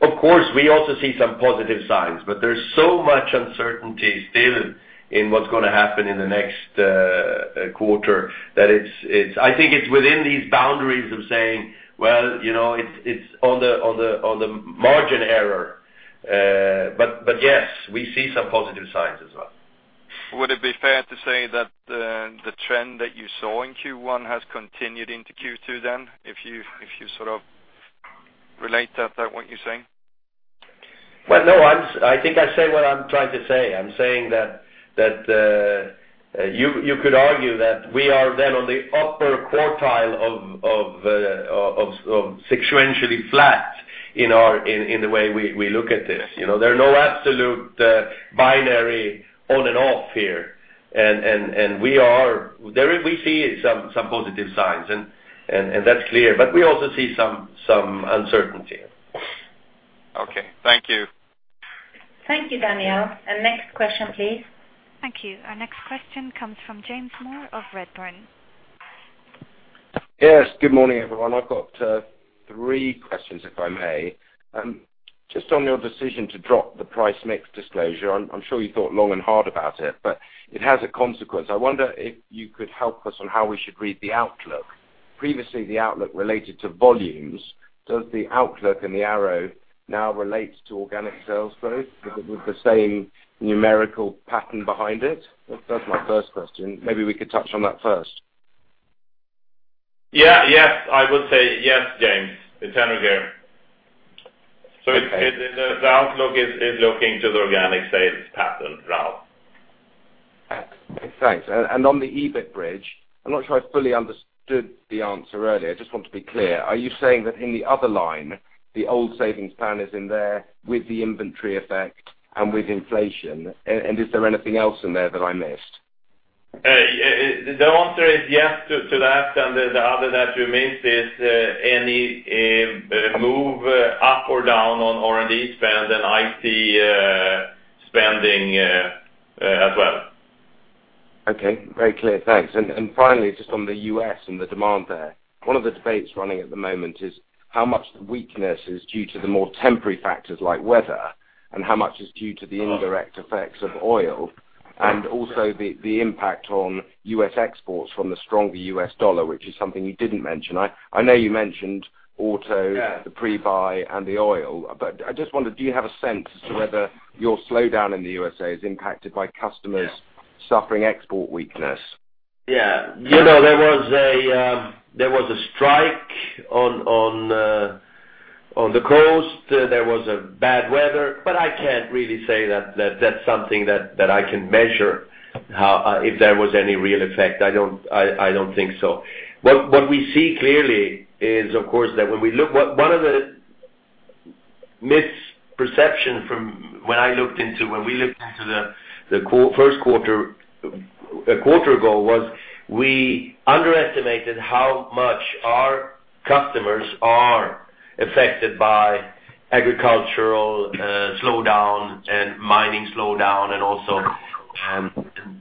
of course, we also see some positive signs, but there's so much uncertainty still in what's gonna happen in the next quarter, that I think it's within these boundaries of saying, well, you know, it's on the margin error. But yes, we see some positive signs as well. Would it be fair to say that the trend that you saw in first quarter has continued into second quarter then, if you sort of relate that to what you're saying? Well, no, I think I say what I'm trying to say. I'm saying that you could argue that we are then on the upper quartile of sequentially flat in our... in the way we look at this. You know, there are no absolute binary on and off here. And we are. There is. We see some positive signs, and that's clear, but we also see some uncertainty. Okay, thank you. Thank you, Daniel. Next question, please. Thank you. Our next question comes from James Moore of Redburn. Yes, good morning, everyone. I've got three questions, if I may. Just on your decision to drop the price mix disclosure, I'm sure you thought long and hard about it, but it has a consequence. I wonder if you could help us on how we should read the outlook. Previously, the outlook related to volumes. Does the outlook and the arrow now relate to organic sales growth, with the same numerical pattern behind it? That's my first question. Maybe we could touch on that first. Yeah, yes, I would say yes, James. It's Henrik here. The outlook is looking to the organic sales pattern now. Thanks. And, on the EBIT bridge, I'm not sure I fully understood the answer earlier. I just want to be clear. Are you saying that in the other line, the old savings plan is in there with the inventory effect and with inflation? And, is there anything else in there that I missed? Yeah, the answer is yes to that, and the other that you missed is any move up or down on R&D spend and IT spending as well. Okay, very clear. Thanks. And finally, just on the US and the demand there. One of the debates running at the moment is how much the weakness is due to the more temporary factors like weather, and how much is due to the indirect effects of oil, and also the impact on US exports from the stronger US dollar, which is something you didn't mention. I know you mentioned auto- Yeah The pre-buy and the oil, but I just wondered, do you have a sense as to whether your slowdown in the USA is impacted by customers? Yeah Suffering export weakness? Yeah. You know, there was a strike on the coast. There was bad weather, but I can't really say that that's something that I can measure, how if there was any real effect. I don't think so. What we see clearly is, of course, that when we look, what one of the misperceptions from when I looked into when we looked into the first quarter a quarter ago was we underestimated how much our customers are affected by agricultural slowdown. And mining slowdown, and also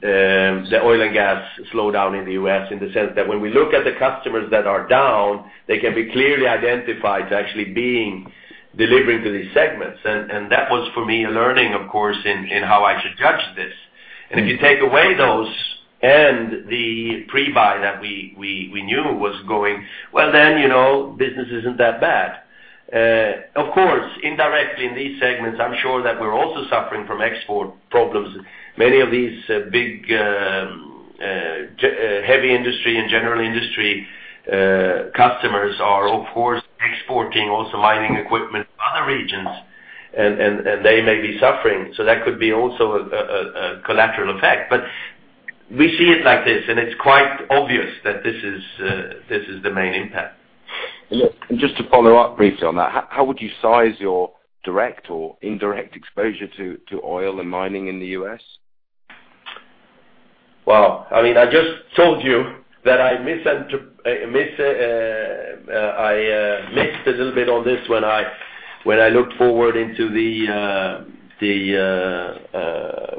the oil and gas slowdown in the US, in the sense that when we look at the customers that are down, they can be clearly identified to actually being delivering to these segments. And that was, for me, a learning, of course, in how I should judge this. And if you take away those and the pre-buy that we knew was going well, then, you know, business isn't that bad. Of course, indirectly in these segments, I'm sure that we're also suffering from export problems. Many of these big, heavy industry and general industry customers are, of course, exporting also mining equipment to other regions, and they may be suffering. So, that could be also a collateral effect. But we see it like this, and it's quite obvious that this is the main impact. Just to follow up briefly on that, how would you size your direct or indirect exposure to oil and mining in the US? Well, I mean, I just told you that I missed a little bit on this when I looked forward into the...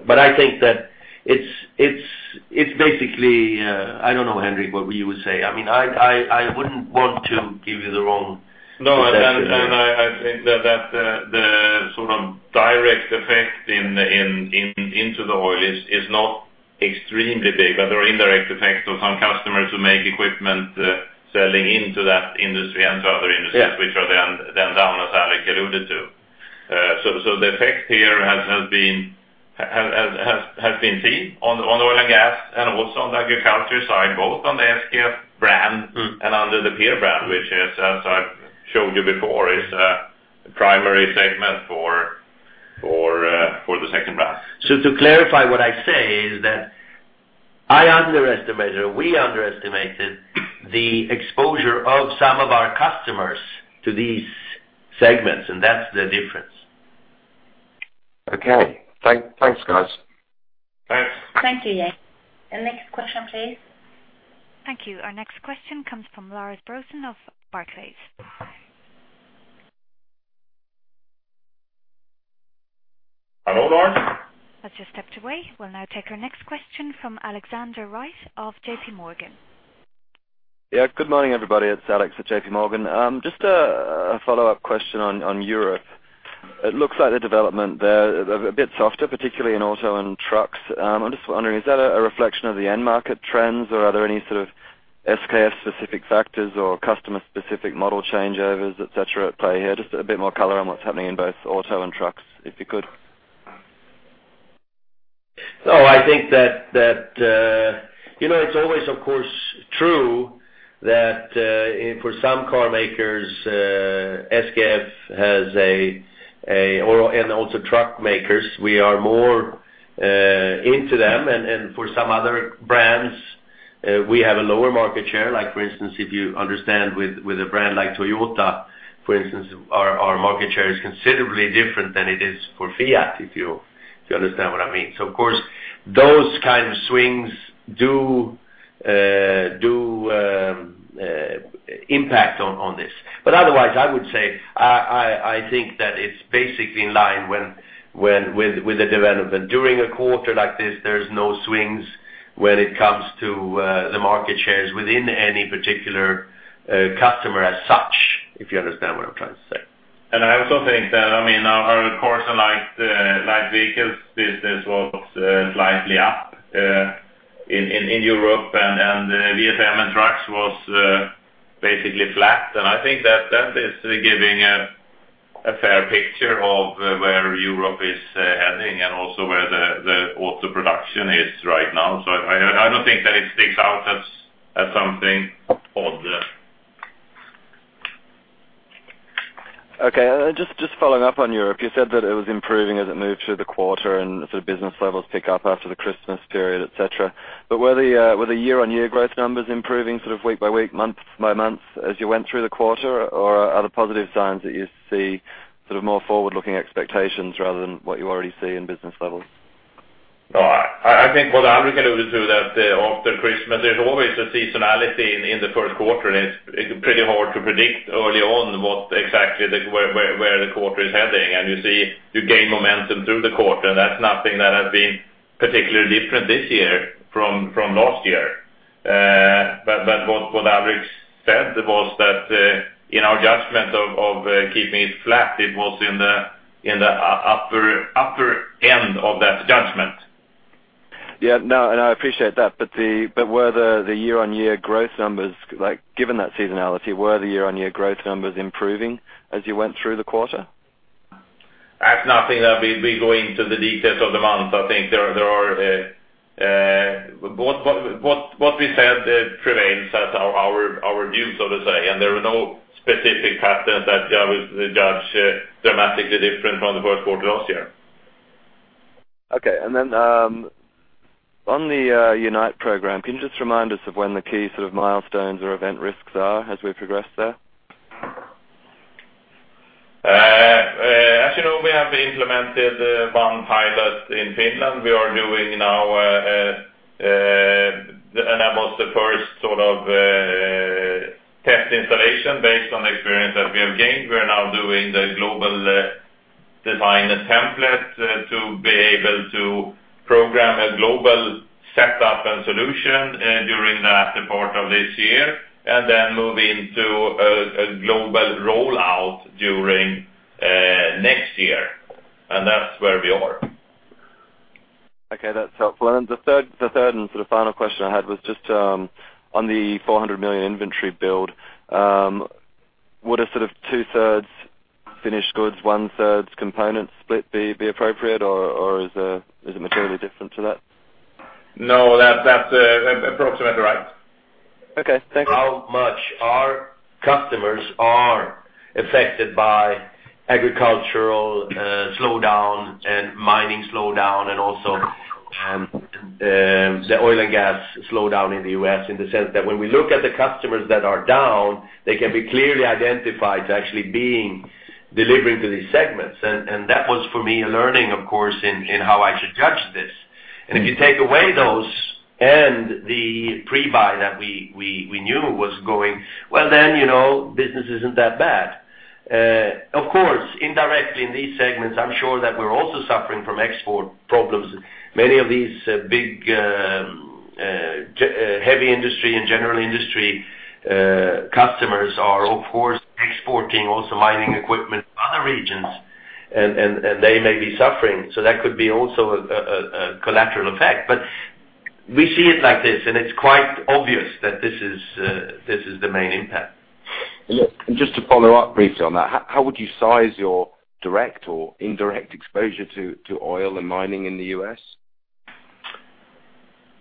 but I think that it's basically, I don't know, Henrik, what you would say. I mean, I'd, I wouldn't want to give you the wrong. No, and I think that the sort of direct effect into the oil is not extremely big, but there are indirect effects of some customers who make equipment selling into that industry and to other industries- Yeah Which are then down, as Alec alluded to. So, the effect here has been seen on the oil and gas and also on the agriculture side, both on the SKF brand and under the PEER brand, which, as I've showed you before, is a primary segment for the second brand. So, to clarify, what I say is that I underestimated or we underestimated the exposure of some of our customers to these segments, and that's the difference. Okay. Thanks, guys. Thanks. Thank you, yeah. The next question, please. Thank you. Our next question comes from Lars Brorson of Barclays. Hello, Lars? Let's just step away. We'll now take our next question from Alexander Sherrat of JP Morgan. Yeah. Good morning, everybody. It's Alex at JP Morgan. Just a follow-up question on Europe. It looks like the development there are a bit softer, particularly in auto and trucks. I'm just wondering, is that a reflection of the end market trends, or are there any sort of SKF specific factors or customer-specific model changeovers, et cetera, at play here? Just a bit more color on what's happening in both auto and trucks, if you could. So I think that you know, it's always, of course, true that for some car makers, SKF has, and also truck makers, we are more into them, and for some other brands, we have a lower market share. Like, for instance, if you understand with a brand like Toyota, for instance, our market share is considerably different than it is for Fiat, if you understand what I mean. So, of course, those kind of swings do impact on this. But otherwise, I would say I think that it's basically in line with the development. During a quarter like this, there's no swings when it comes to the market shares within any particular customer as such, if you understand what I'm trying to say. I also think that, I mean, of course, our light vehicle business was slightly up in Europe, and VSM and trucks was basically flat. I think that that is giving a fair picture of where Europe is heading and also where the auto production is right now. I don't think that it sticks out as something odd. Okay, and then just, just following up on Europe, you said that it was improving as it moved through the quarter, and sort of business levels pick up after the Christmas period, et cetera. But were the, were the year-on-year growth numbers improving sort of week by week, month by month, as you went through the quarter? Or are the positive signs that you see sort of more forward-looking expectations rather than what you already see in business levels? No, I think what Henrik alluded to that after Christmas, there's always a seasonality in the first quarter, and it's pretty hard to predict early on what exactly where the quarter is heading. And you see, you gain momentum through the quarter, and that's nothing that has been particularly different this year from last year. But what Henrik said was that, in our judgment of keeping it flat, it was in the upper end of that judgment. Yeah, no, and I appreciate that, but were the year-on-year growth numbers, like, given that seasonality, were the year-on-year growth numbers improving as you went through the quarter? That's nothing that we go into the details of the month. I think there are... what we said, it remains as our view, so to say, and there are no specific patterns that I would judge dramatically different from the first quarter last year. Okay, and then, on the, UNITE program, can you just remind us of when the key sort of milestones or event risks are as we progress there? As you know, we have implemented one pilot in Finland. We are doing now, and that was the first sort of test installation. Based on the experience that we have gained, we are now doing the global design template to be able to program a global setup and solution during the latter part of this year, and then move into a global rollout during next year, and that's where we are. Okay, that's helpful. And the third, the third and sort of final question I had was just, on the 400 million inventory build, would a sort of two-thirds finished goods, one-thirds components split be, be appropriate or is it materially different to that? No, that's approximately right. Okay, thanks. How much our customers are affected by agricultural slowdown and mining slowdown, and also the oil and gas slowdown in the US, in the sense that when we look at the customers that are down, they can be clearly identified to actually being delivering to these segments. And that was for me, a learning, of course, in how I should judge this. And if you take away those and the pre-buy that we knew was going, well, then, you know, business isn't that bad. Of course, indirectly in these segments, I'm sure that we're also suffering from export problems. Many of these heavy industry and general industry customers are, of course, exporting also mining equipment to other regions, and they may be suffering. So that could be also a collateral effect. But we see it like this, and it's quite obvious that this is this is the main impact. Just to follow up briefly on that, how would you size your direct or indirect exposure to oil and mining in the US?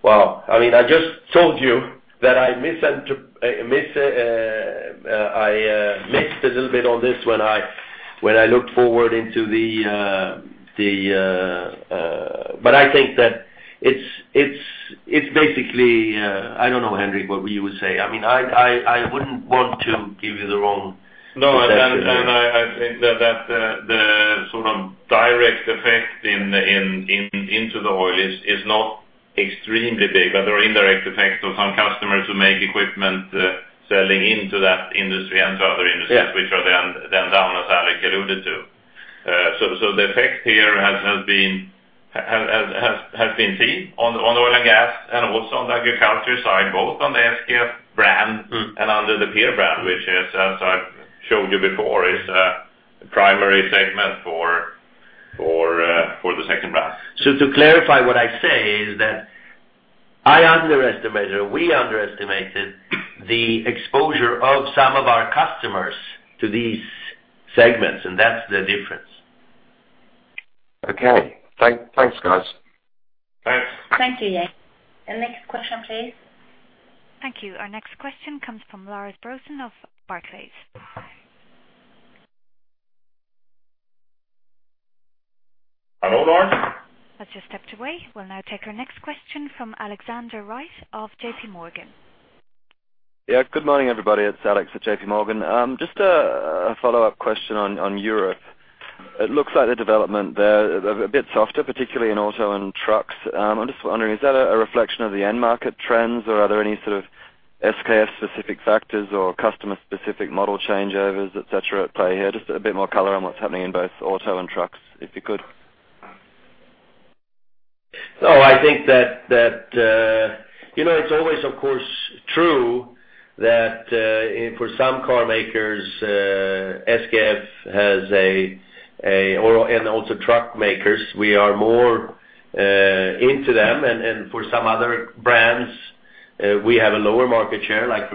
Well, I mean, I just told you that I missed a little bit on this when I looked forward into the... but I think that it's basically, I don't know, Henrik, what you would say. I mean, I wouldn't want to give you the wrong- No, I think that the sort of direct effect into the oil is not extremely big, but there are indirect effects on some customers who make equipment selling into that industry and to other industries. Yeah Which are then down, as Alec alluded to. So, the effect here has been seen on oil and gas and also on the agriculture side, both on the SKF brand and under the PEER brand, which, as I've showed you before, is a primary segment for the second brand. To clarify, what I say is that I underestimated or we underestimated the exposure of some of our customers to these segments, and that's the difference. Okay. Thanks, guys. Thanks. Thank you, yeah. The next question, please. Thank you. Our next question comes from Lars Brorson of Barclays. Hello, Lars? Lars just stepped away. We'll now take our next question from Alexander Sherrat of JP Morgan. Yeah. Good morning, everybody. It's Alex at JP Morgan. Just a follow-up question on Europe. It looks like the development there are a bit softer, particularly in auto and trucks. I'm just wondering, is that a reflection of the end market trends, or are there any sort of SKF specific factors or customer-specific model changeovers, et cetera, at play here? Just a bit more color on what's happening in both auto and trucks, if you could. So I think that you know, it's always, of course, true that for some car makers, SKF has a... or, and also truck makers, we are more into them, and for some other brands, we have a lower market share, like-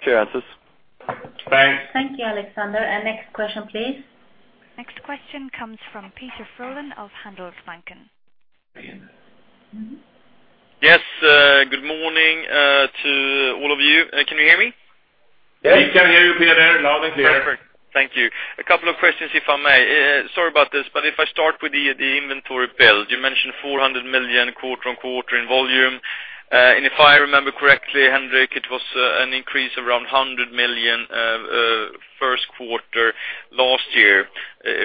Thanks. Thank you, Alexander. Next question, please. Next question comes from Peder Frölén of Handelsbanken. Mm-hmm. Yes, good morning, to all of you. Can you hear me? Yes, we can hear you, Peder, loud and clear. Thank you. A couple of questions, if I may. Sorry about this, but if I start with the inventory build, you mentioned 400 million quarter-on-quarter in volume. And if I remember correctly, Henrik, it was an increase around 100 million first quarter last year,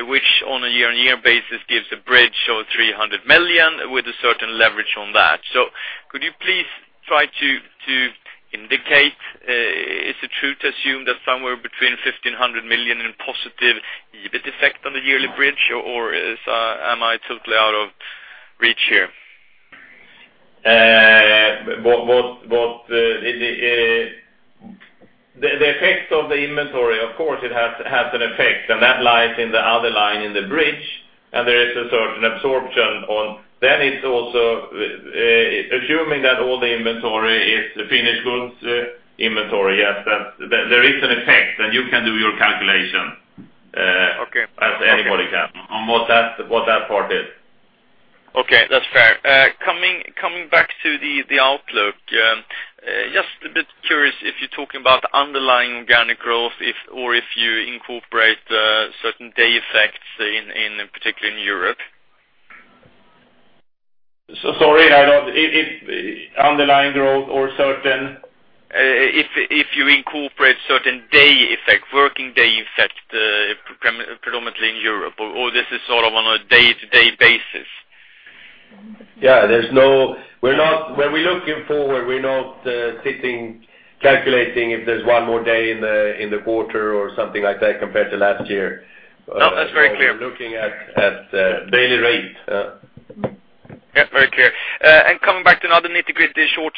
which on a year-on-year basis gives a bridge of 300 million with a certain leverage on that. So, could you please try to indicate, is it true to assume that somewhere between 1,500 million and positive effect on the yearly bridge, or is am I totally out of reach here? The effect of the inventory, of course, has an effect, and that lies in the other line in the bridge, and there is a certain absorption on. Then it's also assuming that all the inventory is the finished goods inventory. Yes, that there is an effect, and you can do your calculation- Okay. As anybody can on what that part is. Okay, that's fair. Coming back to the outlook, just a bit curious if you're talking about underlying organic growth, or if you incorporate certain day effects in particular in Europe? So sorry, I don't. If underlying growth or certain? If you incorporate certain day effect, working day effect, predominantly in Europe, or this is sort of on a day-to-day basis. Yeah, there's no. We're not. When we're looking forward, we're not sitting, calculating if there's one more day in the quarter or something like that, compared to last year. No, that's very clear. We're looking at daily rate. Yep, very clear. And coming back to another nitty-gritty short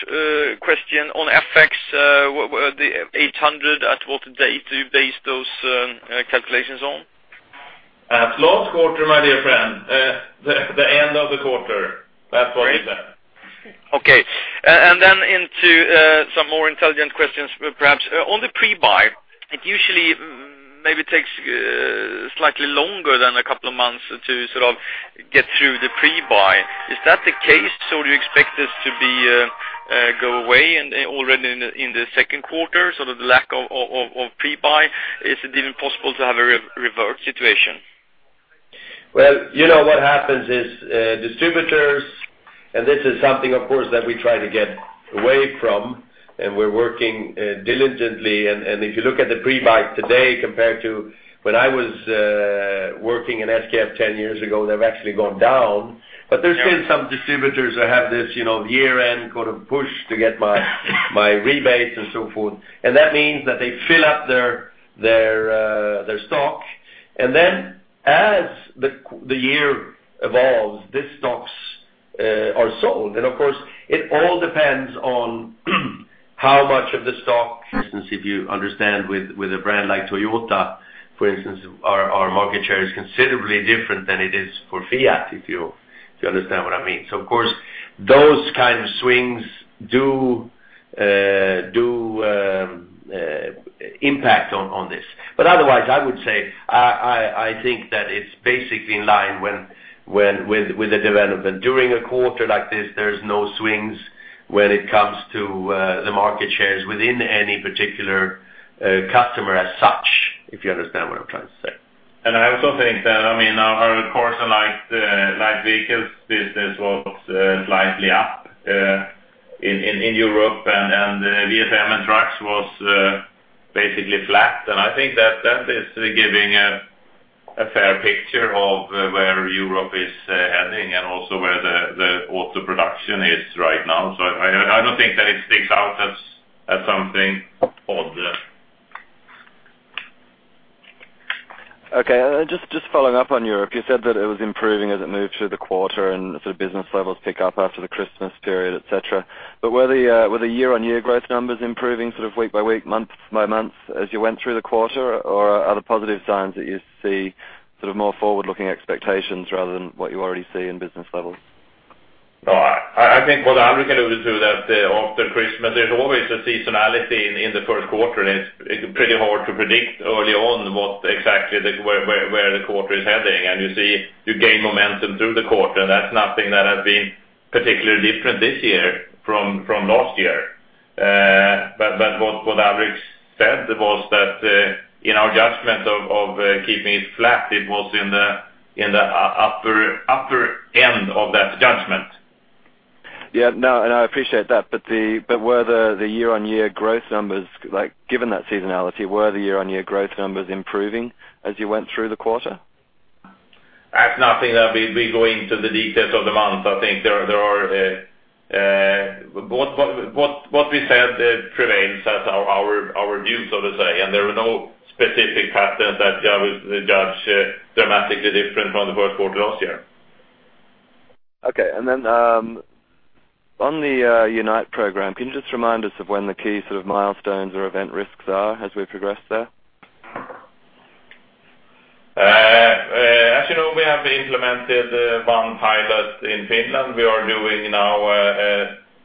question on FX, what were the 800 million, at what date do you base those calculations on? At last quarter, my dear friend, the end of the quarter. That's what is that. Okay. Then into some more intelligent questions, perhaps. On the pre-buy, it usually maybe takes slightly longer than a couple of months to sort of get through the pre-buy. Is that the case? So do you expect this to be go away and already in the second quarter, sort of the lack of pre-buy? Is it even possible to have a reversed situation? Well, you know, what happens is, distributors, and this is something, of course, that we try to get away from, and we're working diligently. And if you look at the pre-buy today, compared to when I was working in SKF ten years ago, they've actually gone down. But there's still some distributors that have this, you know, year-end kind of push to get my rebates and so forth. And that means that they fill up their stock, and then, as the year evolves, these stocks are sold. And of course, it all depends on, how much of the stock, for instance, if you understand, with a brand like Toyota, for instance, our market share is considerably different than it is for Fiat, if you understand what I mean. So of course, those kind of swings do impact on this. But otherwise, I would say, I think that it's basically in line with the development. During a quarter like this, there's no swings when it comes to the market shares within any particular customer as such, if you understand what I'm trying to say. And I also think that, I mean, our core light vehicles business was slightly up in Europe, and VSM and trucks was basically flat. And I think that is giving a fair picture of where Europe is heading and also where the auto production is right now. So, I don't think that it sticks out as something odd. Okay, just, just following up on Europe, you said that it was improving as it moved through the quarter, and sort of business levels pick up after the Christmas period, et cetera. But were the, were the year-on-year growth numbers improving sort of week by week, month by month, as you went through the quarter? Or are the positive signs that you see sort of more forward-looking expectations rather than what you already see in business levels? No, I think what Henrik alluded to that after Christmas, there's always a seasonality in the first quarter, and it's pretty hard to predict early on what exactly where the quarter is heading. And you see, you gain momentum through the quarter, and that's nothing that has been particularly different this year from last year. But what Henrik said was that in our judgment of keeping it flat, it was in the upper end of that judgment. Yeah, no, and I appreciate that. But were the, the year-on-year growth numbers, like, given that seasonality, were the year-on-year growth numbers improving as you went through the quarter? That's nothing that we go into the details of the months. I think there are what we said remains as our view, so to say, and there were no specific patterns that I would judge dramatically different from the first quarter last year. Okay, and then, on the UNITE program, can you just remind us of when the key sort of milestones or event risks are as we progress there? As you know, we have implemented one pilot in Finland. We are doing now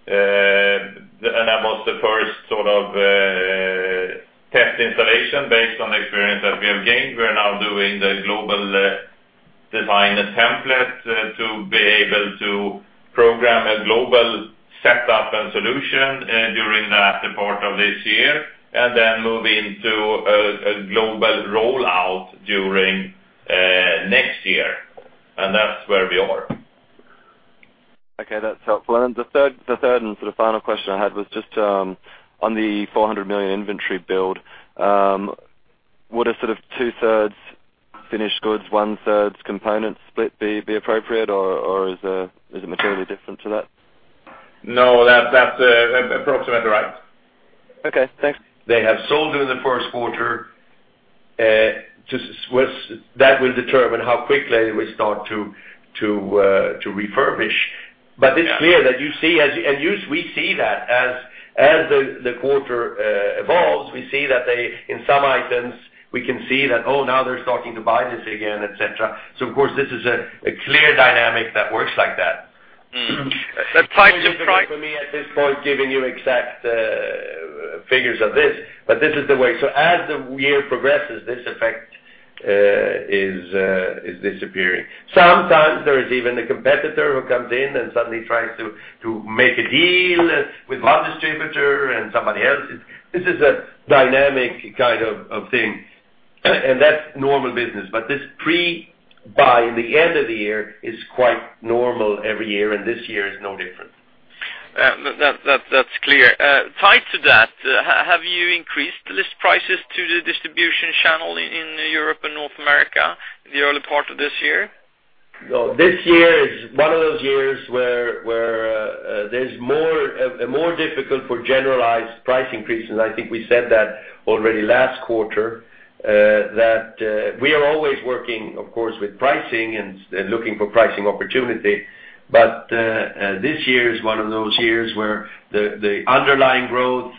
and that was the first sort of test installation based on experience that we have gained. We are now doing the global design template to be able to program a global setup and solution during the latter part of this year, and then move into a global rollout during next year, and that's where we are. Okay, that's helpful. The third and sort of final question I had was just on the 400 million inventory build. Would a sort of two-thirds finished goods, one-third component split be appropriate, or is it materially different to that? No, that, that's approximately right. Okay, thanks. They have sold in the first quarter to Sweden. That will determine how quickly we start to refurbish. Yeah. But it's clear that we see that as the quarter evolves, we see that they... in some items, we can see that, oh, now they're starting to buy this again, et cetera. So, of course, this is a clear dynamic that works like that. Let's try, just try. For me, at this point, giving you exact figures of this, but this is the way. So, as the year progresses, this effect is disappearing. Sometimes there is even a competitor who comes in and suddenly tries to make a deal with one distributor and somebody else. This is a dynamic kind of thing, and that's normal business. But this pre-buy in the end of the year is quite normal every year, and this year is no different. That's clear. Tied to that, have you increased the list prices to the distribution channel in Europe and North America in the early part of this year? No, this year is one of those years where there's more of a more difficult for generalized price increases. I think we said that already last quarter, that we are always working, of course, with pricing and looking for pricing opportunity. But this year is one of those years where the underlying growth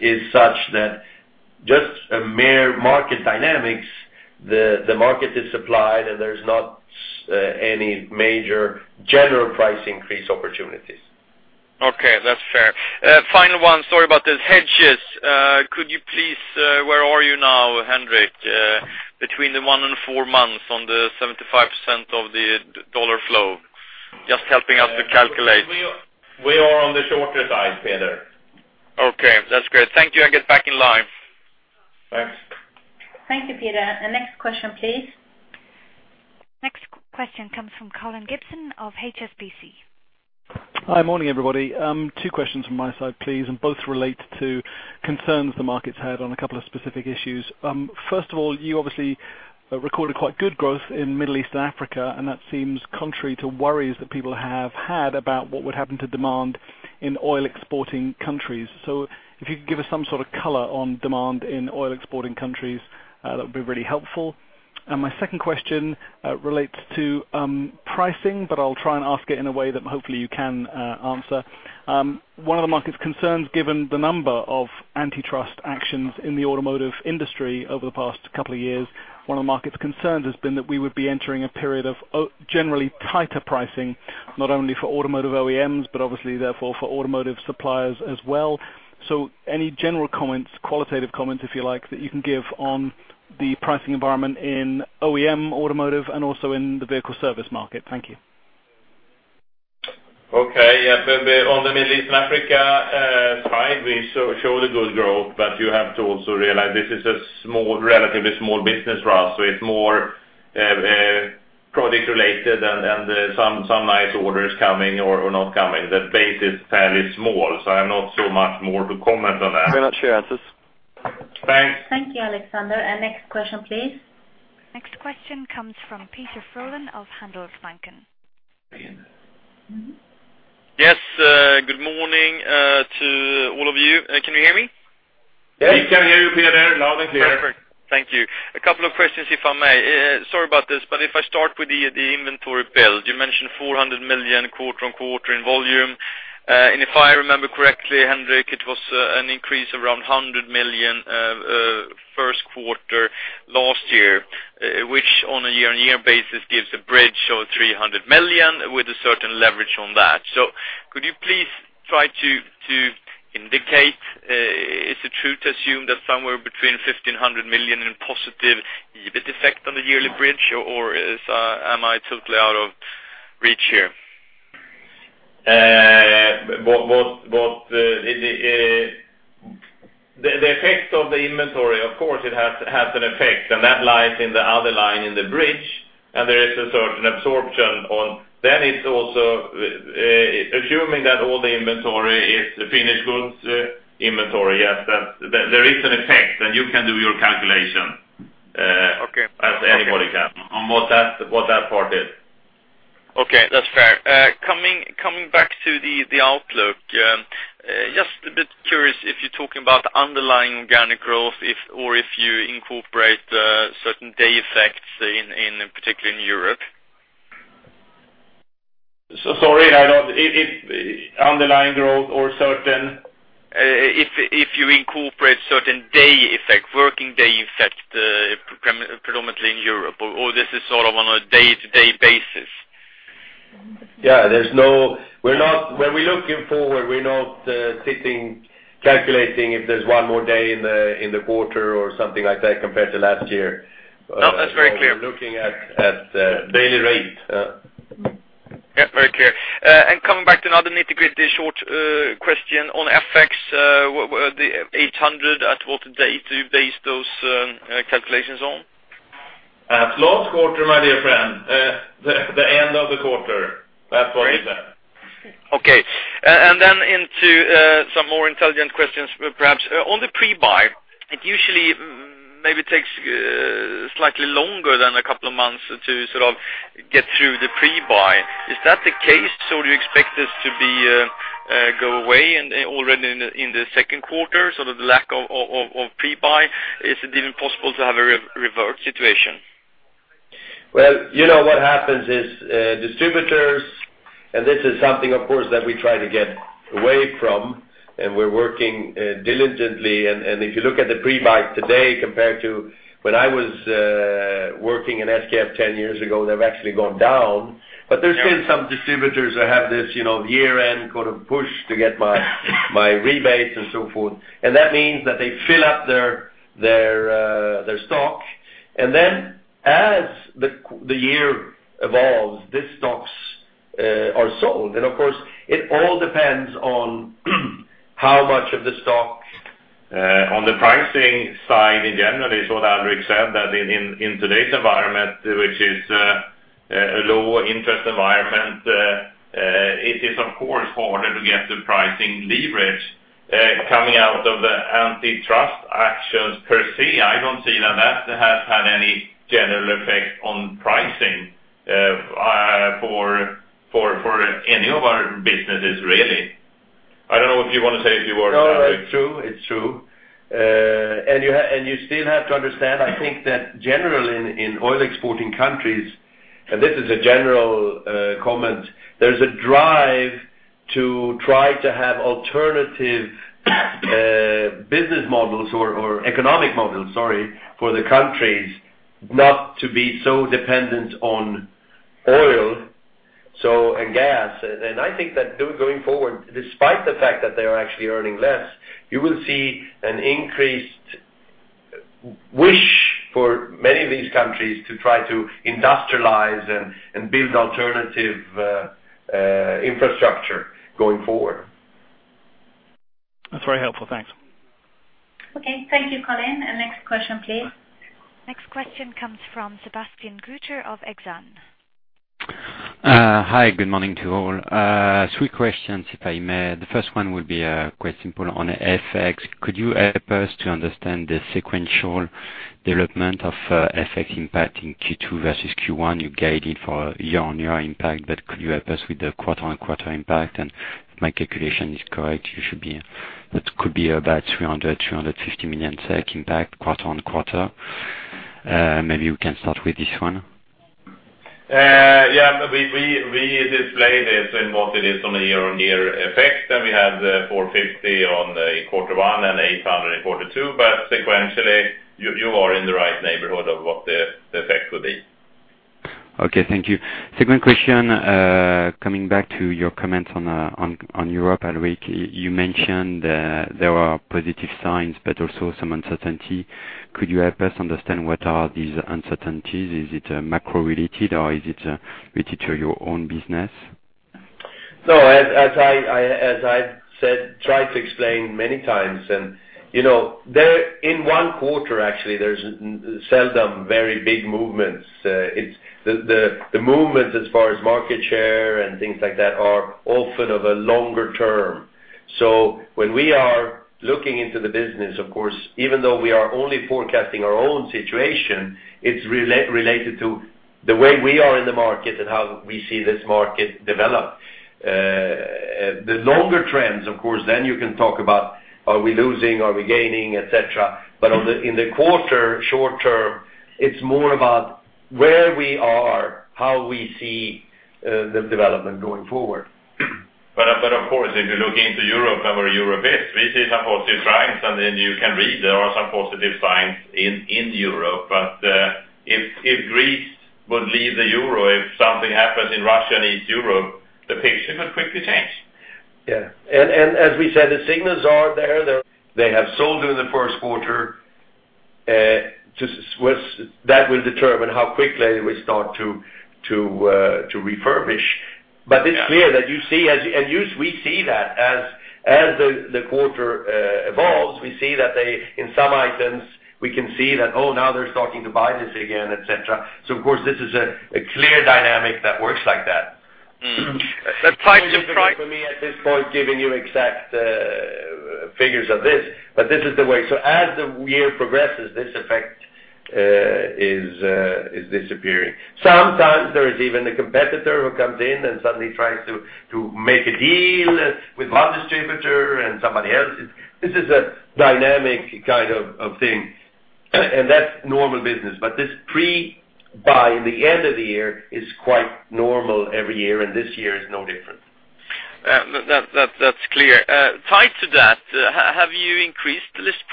is such that just a mere market dynamic, the market is supplied, and there's not any major general price increase opportunities. Okay, that's fair. Final one. Sorry about this. Hedges, could you please, where are you now, Henrik? Between the one and four months on the 75% of the dollar flow. Just helping us to calculate. We are on the shorter side, Peder. Okay, that's great. Thank you, I get back in line. Thanks. Thank you, Peder. The next question, please. Next question comes from Colin Gibson of HSBC. Hi, morning, everybody. Two questions from my side, please, and both relate to concerns the market's had on a couple of specific issues. First of all, you obviously recorded quite good growth in Middle East and Africa, and that seems contrary to worries that people have had about what would happen to demand in oil-exporting countries. So, if you could give us some sort of color on demand in oil-exporting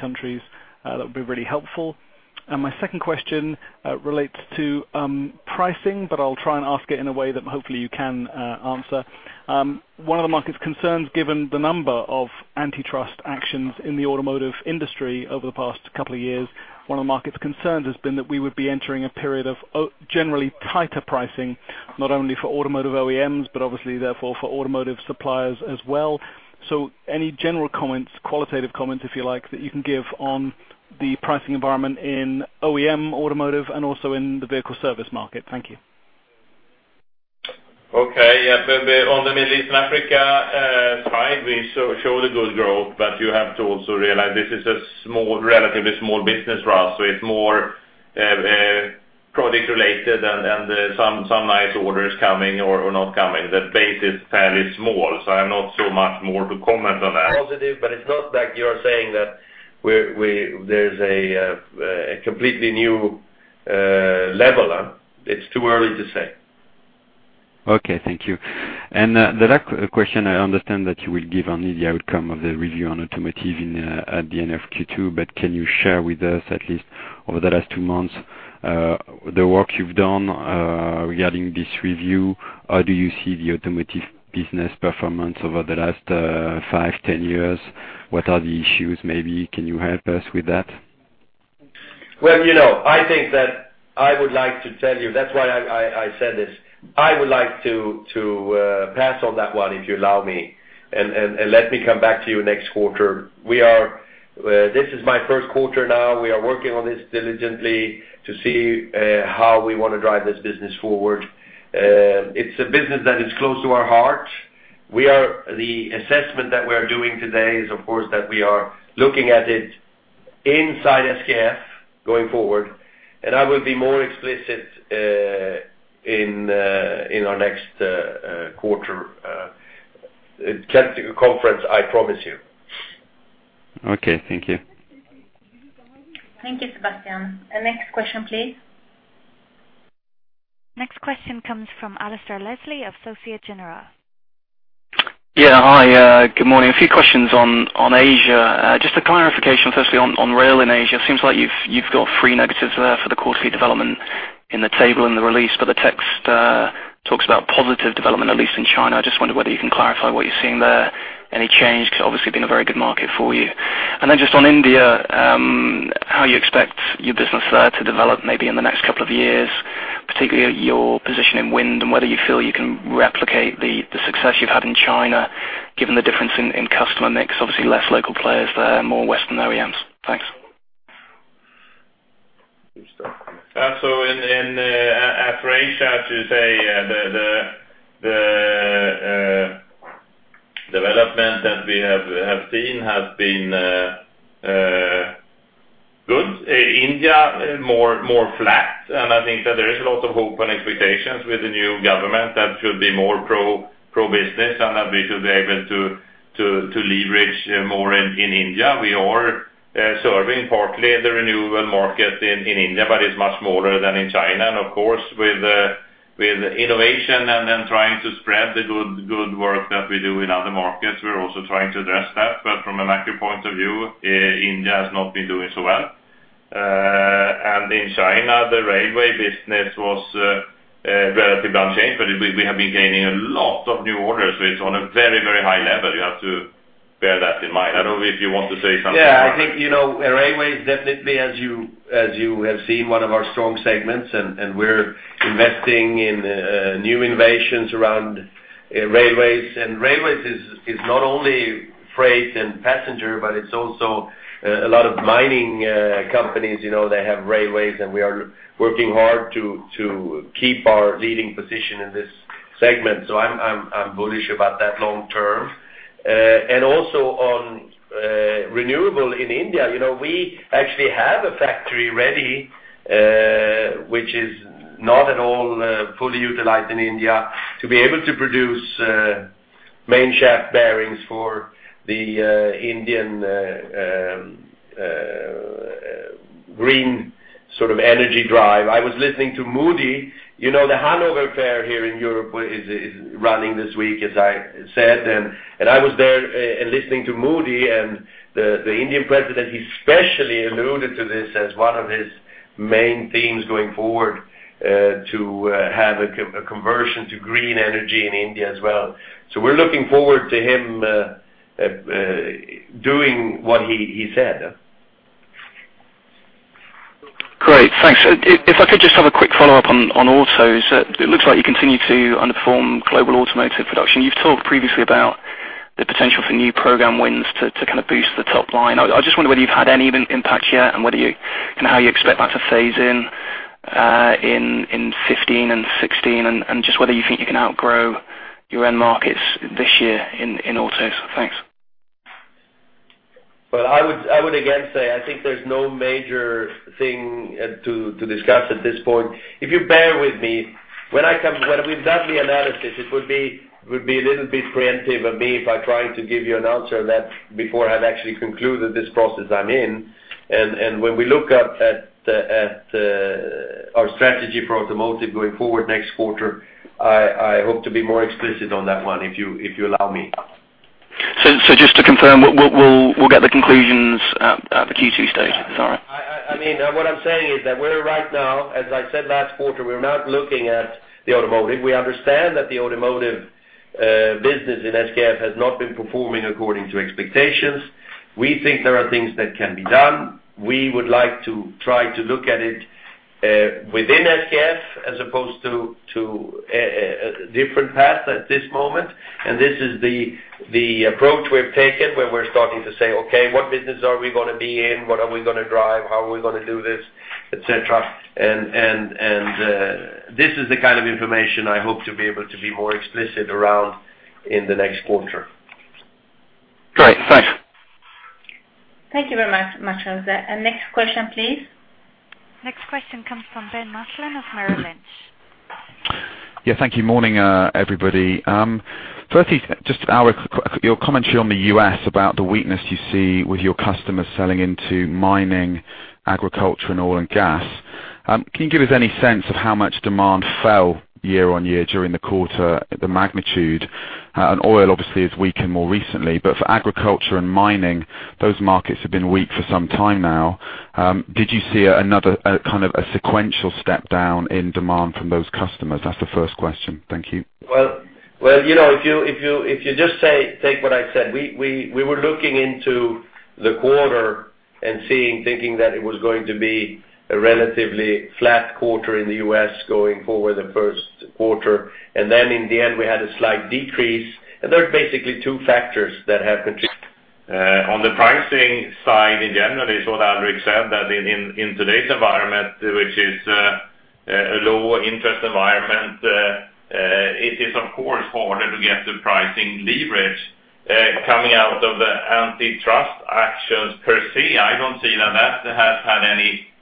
countries, that would be really helpful. And my second question relates to pricing, but I'll try and ask it in a way that hopefully you can answer. One of the market's concerns, given the number of antitrust actions in the automotive industry over the past couple of years, one of the market's concerns has been that we would be entering a period of generally tighter pricing, not only for automotive OEMs, but obviously therefore for automotive suppliers as well. So, any general comments, qualitative comments, if you like, that you can give on the pricing environment in OEM, automotive, and also in the vehicle service market? Thank you. Okay. Yeah, but on the Middle East and Africa side, we show the good growth, but you have to also realize this is a small, relatively small business for us, so it's more product related and some nice orders coming or not coming. The base is fairly small, so I have not so much more to comment on that. Very much appreciate this. Thanks. Thank you, Alexander. Next question, please. Next question comes from Peter Frölén of Handelsbanken. Yes, good morning, to all of you. Can you hear me? Yes, we can hear you, Peder. Loud and clear. Perfect. Thank you. A couple of questions, if I may. Sorry about this, but if I start with the, the inventory build, you mentioned SEK 400 million quarter-on-quarter in volume. And if I remember correctly, Henrik, it was an increase around SEK 100 million, first quarter last year, which on a year-on-year basis gives a bridge of SEK 300 million, with a certain leverage on that. So, could you please try to indicate, is it true to assume that somewhere between SEK 1,500 million and positive effect on the yearly bridge, or is, am I totally out of reach here? But the effect of the inventory, of course, it has an effect, and that lies in the other line in the bridge, and there is a certain absorption on... then it's also assuming that all the inventory is the finished goods inventory. Yes, that there is an effect, and you can do your calculation. Okay. As anybody can on what that part is. Okay, that's fair. Coming back to the outlook, just a bit curious if you're talking about underlying organic growth, or if you incorporate certain day effects, particularly in Europe? So sorry, I don't... if underlying growth or certain? If you incorporate certain day effect, working day effect, predominantly in Europe, or this is sort of on a day-to-day basis? Yeah, there's no... we're not, when we're looking forward, we're not sitting, calculating if there's one more day in the, in the quarter or something like that, compared to last year. No, that's very clear. Looking at daily rate. Yeah, very clear. And coming back to another nitty-gritty short question on FX, what were the 800 at what date you based those calculations on? At last quarter, my dear friend, the end of the quarter. That's what I said. Okay.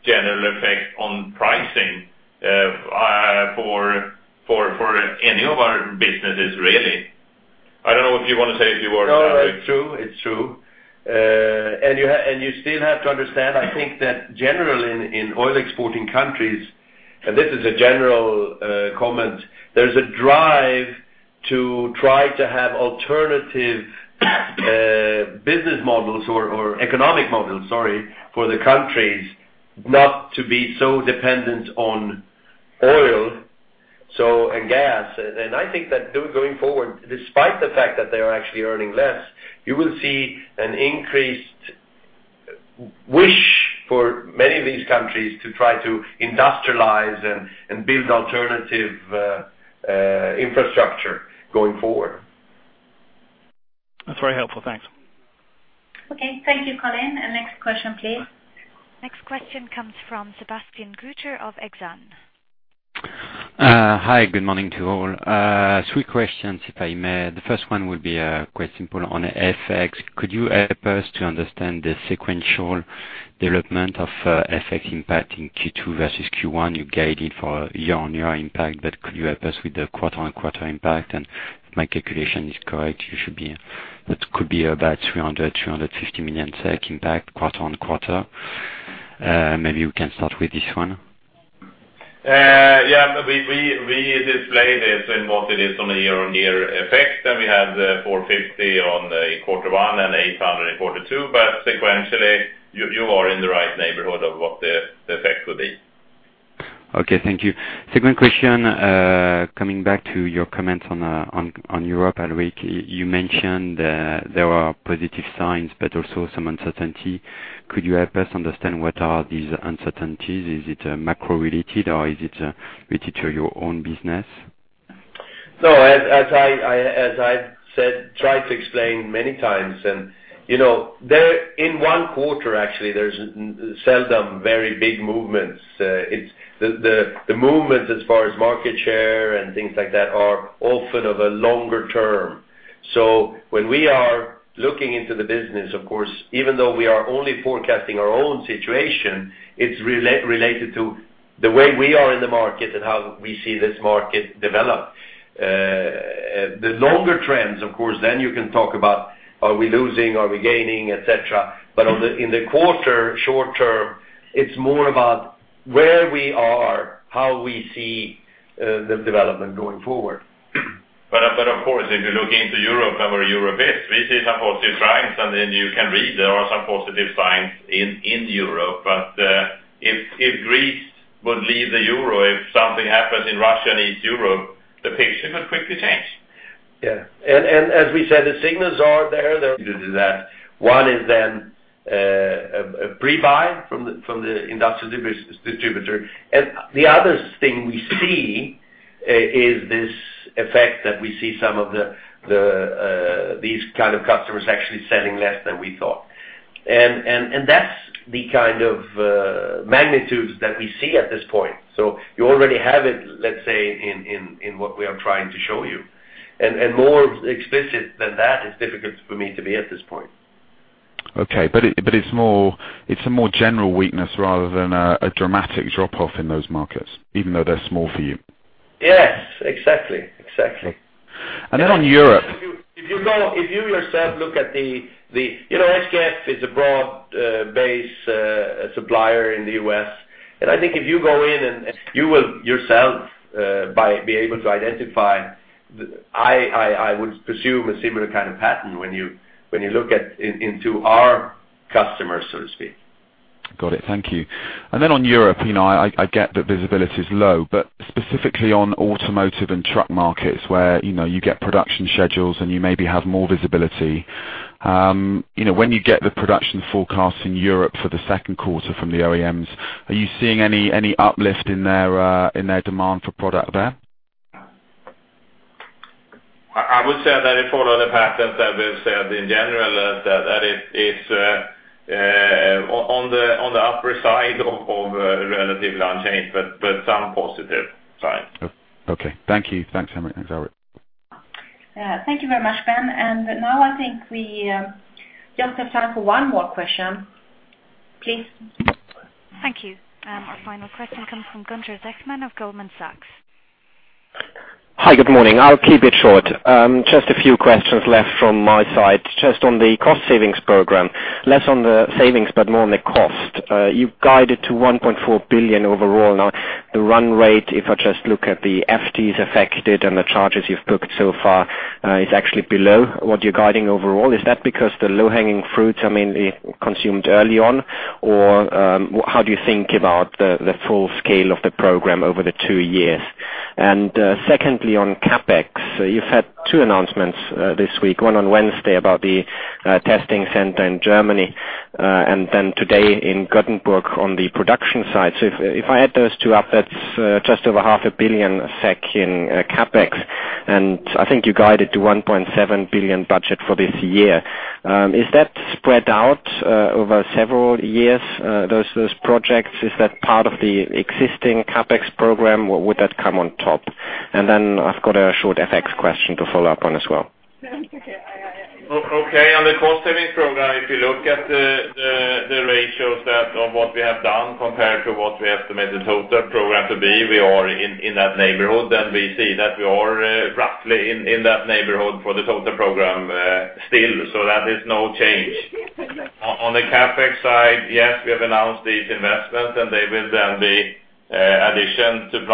general effect on pricing for any of our businesses, really. I don't know if you want to say a few words, Alrik? No, it's true, it's true. And you still have to understand, I think that generally in oil-exporting countries, and this is a general comment, there's a drive to try to have alternative business models or economic models, sorry, for the countries not to be so dependent on oil, so, and gas. And I think that going forward, despite the fact that they are actually earning less, you will see an increased wish for many of these countries to try to industrialize and build alternative infrastructure going forward. That's very helpful. Thanks. Okay. Thank you, Colin. And next question, please. Next question comes from Sebastian Growe of Exane. Hi, good morning to all. Three questions, if I may. The first one will be quite simple on FX. Could you help us to understand the sequential development of FX impact in second quarter versus first quarter? You guide it for year-on-year impact, but could you help us with the quarter-on-quarter impact? If my calculation is correct, you should be, it could be about 350 million SEK impact, quarter-on-quarter. Maybe you can start with this one. Yeah, we display this in what it is on a year-on-year effect. Then we have the 450 million on quarter one and 842 million, but sequentially, you are in the right neighborhood of what the effect would be. Okay, thank you. Second question, coming back to your comments on Europe, Alrik, you mentioned there are positive signs, but also some uncertainty. Could you help us understand what are these uncertainties? Is it macro-related, or is it related to your own business? No, as I've said, tried to explain many times and, you know, there in one quarter, actually, there's seldom very big movements. It's the movements as far as market share and things like that, are often of a longer term. So, when we are looking into the business, of course, even though we are only forecasting our own situation, it's related to the way we are in the market and how we see this market develop. The longer trends, of course, then you can talk about, are we losing, are we gaining, et cetera. But in the quarter, short term, it's more about where we are, how we see the development going forward. But of course, if you look into Europe and where Europe is, we see some positive signs, and then you can read there are some positive signs in Europe, but if Greece would leave the euro, if something happens in Russia and East Europe, the picture could quickly change. Yeah. And as we said, the signals are there. They have sold in the first quarter, which that will determine how quickly we start to refurbish. Yeah. But it's clear that we see that as, as the quarter evolves, we see that they,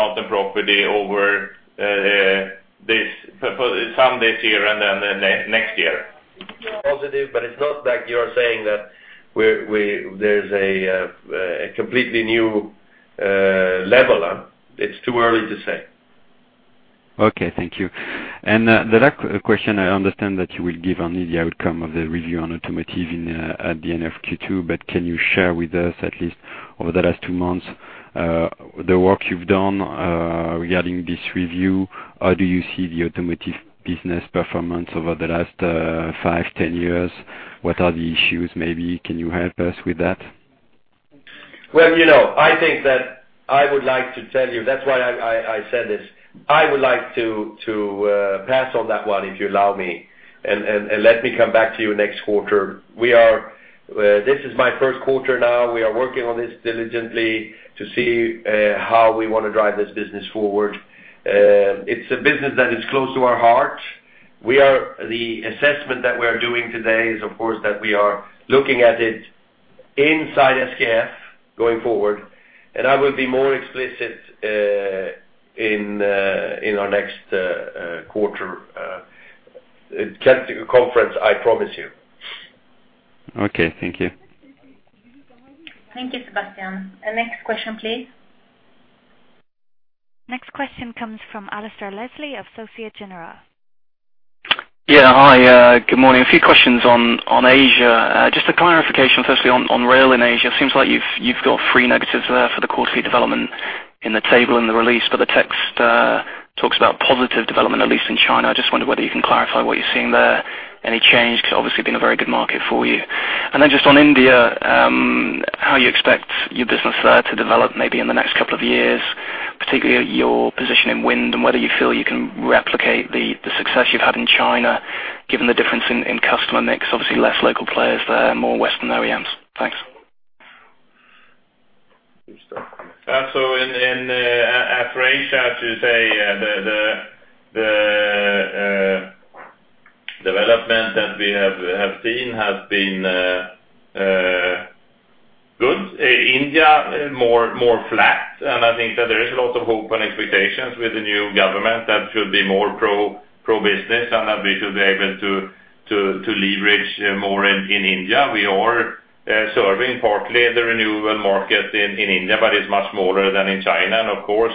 in over the last two months, the work you've done regarding this review? How do you see the automotive business performance over the last five, ten years? What are the issues? Maybe can you help us with that? Well, you know, I think that I would like to tell you, that's why I said this. I would like to pass on that one, if you allow me, and let me come back to you next quarter. We are, this is my first quarter now. We are working on this diligently to see how we want to drive this business forward. It's a business that is close to our heart. The assessment that we are doing today is, of course, that we are looking at it inside SKF going forward, and I will be more explicit in our next quarter conference. I promise you. Okay. Thank you. Thank you, Sebastian. Next question, please. Next question comes from Alistair Leslie of Société Générale. Yeah. Hi, good morning. A few questions on, on Asia. Just a clarification, firstly, on, on rail in Asia. Seems like you've, you've got three negatives there for the quarterly development in the table in the release, but the text talks about positive development, at least in China. I just wonder whether you can clarify what you're seeing there, any change? Because obviously, being a very good market for you. And then just on India, how you expect your business there to develop maybe in the next couple of years, particularly your position in wind, and whether you feel you can replicate the, the success you've had in China, given the difference in, in customer mix? Obviously, less local players there, more Western OEMs. Thanks. So in Asia, the development that we have seen has been good. India more flat, and I think that there is a lot of hope and expectations with the new government that should be more pro-business, and that we should be able to leverage more in India. We are serving partly the renewable market in India, but it's much smaller than in China. And of course,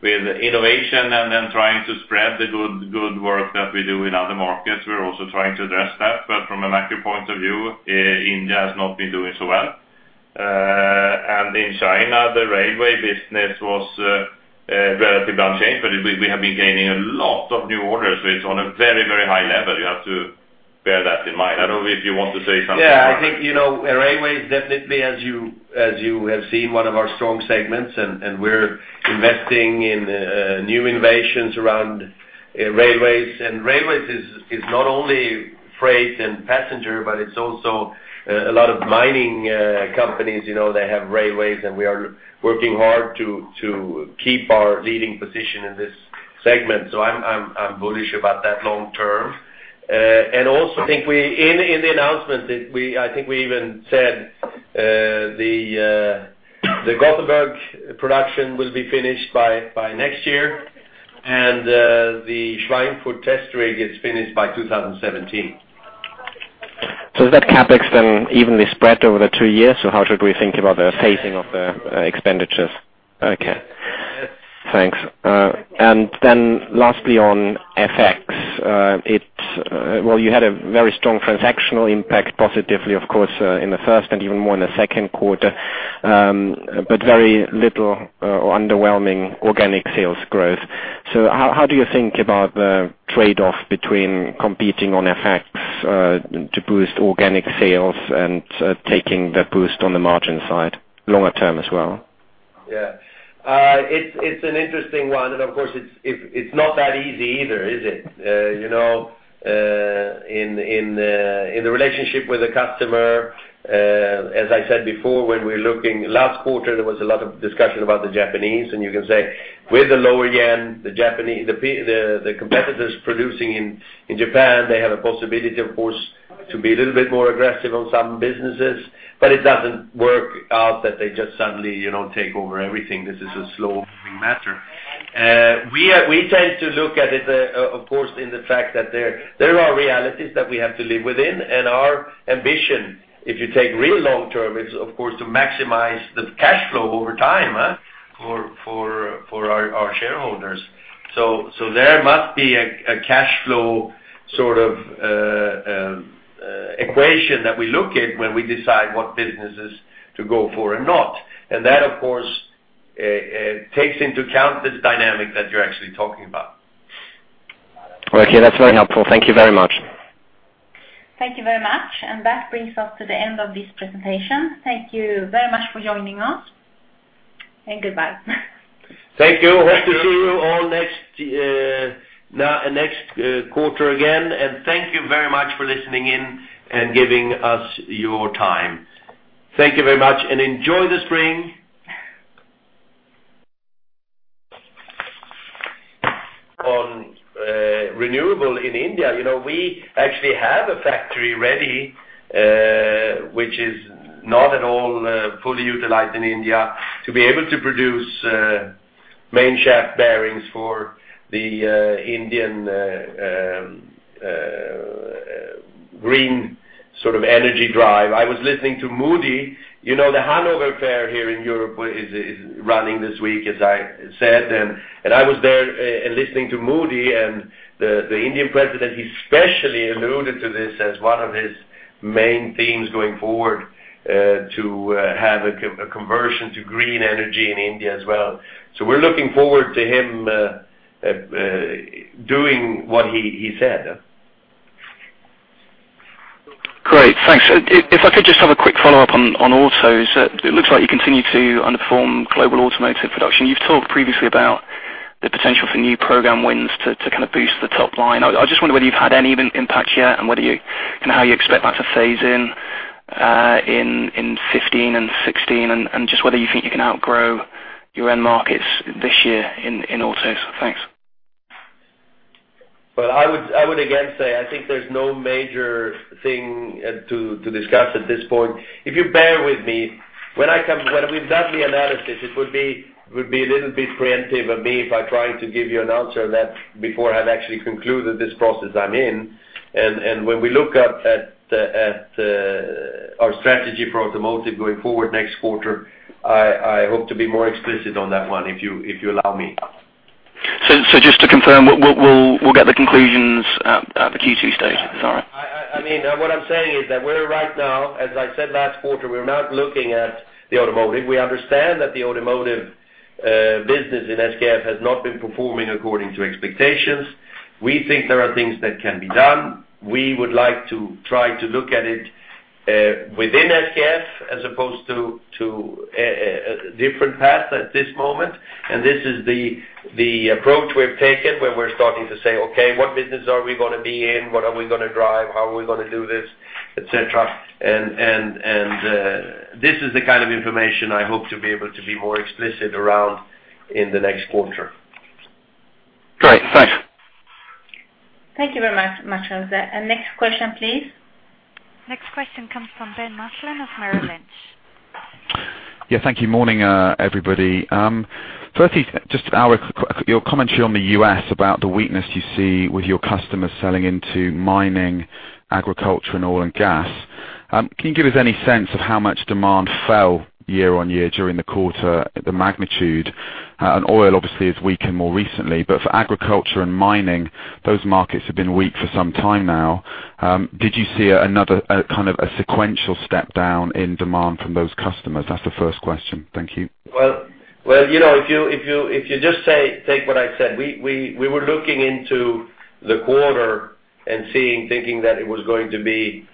with innovation and then trying to spread the good work that we do in other markets, we're also trying to address that. But from a macro point of view, India has not been doing so well. In China, the railway business was relatively unchanged, but we have been gaining a lot of new orders, which on a very, very high level, you have to bear that in mind. I don't know if you want to say something about it? Yeah, I think, you know, railways, definitely as you, as you have seen, one of our strong segments, and we're investing in new innovations around railways. And railways is not only freight and passenger, but it's also a lot of mining companies, you know, they have railways, and we are working hard to keep our leading position in this segment. So, I'm bullish about that long term. And also on renewable in India, you know, we actually have a factory ready which is not at all fully utilized in India, to be able to produce main shaft bearings for the Indian green sort of energy drive. I was listening to Modi. You know, the Hanover Fair here in Europe is running this week, as I said, and I was there and listening to Modi and the Indian president. He especially alluded to this as one of his main themes going forward, to have a conversion to green energy in India as well. So, we're looking forward to him doing what he said. Great, thanks. If I could just have a quick follow-up on autos. It looks like you continue to underperform global automotive production. You've talked previously about the potential for new program wins to kind of boost the top line. I just wonder whether you've had any impact yet, and whether you and how you expect that to phase in, in 2015 and 2016, and just whether you think you can outgrow your end markets this year in autos. Thanks. Well, I would again say, I think there's no major thing to discuss at this point. If you bear with me, when we've done the analysis, it would be a little bit preemptive of me if I try to give you an answer on that before I've actually concluded this process I'm in. And when we look at our strategy for automotive going forward next quarter, I hope to be more explicit on that one, if you allow me. So, just to confirm, we'll get the conclusions at the second quarter stage? Sorry. I mean, what I'm saying is that we're right now, as I said last quarter, not looking at the automotive. We understand that the automotive business in SKF has not been performing according to expectations. We think there are things that can be done. We would like to try to look at it within SKF as opposed to a different path at this moment. And this is the approach we've taken, where we're starting to say, "Okay, what business are we gonna be in? What are we gonna drive? How are we gonna do this?" Et cetera. And this is the kind of information I hope to be able to be more explicit around in the next quarter. Great, thanks. Thank you very much... *inaudible* And next question, please. Next question comes from Ben Sherrat of Merrill Lynch. Yeah, thank you. Morning, everybody. Firstly, just Your commentary on the US, about the weakness you see with your customers selling into mining, agriculture, and oil and gas. Can you give us any sense of how much demand fell year-on-year during the quarter, the magnitude? And oil obviously has weakened more recently, but for agriculture and mining, those markets have been weak for some time now. Did you see another, kind of a sequential step down in demand from those customers? That's the first question. Thank you. Well, you know, if you just say... take what I said, we were looking into the quarter and seeing, thinking that it was going to be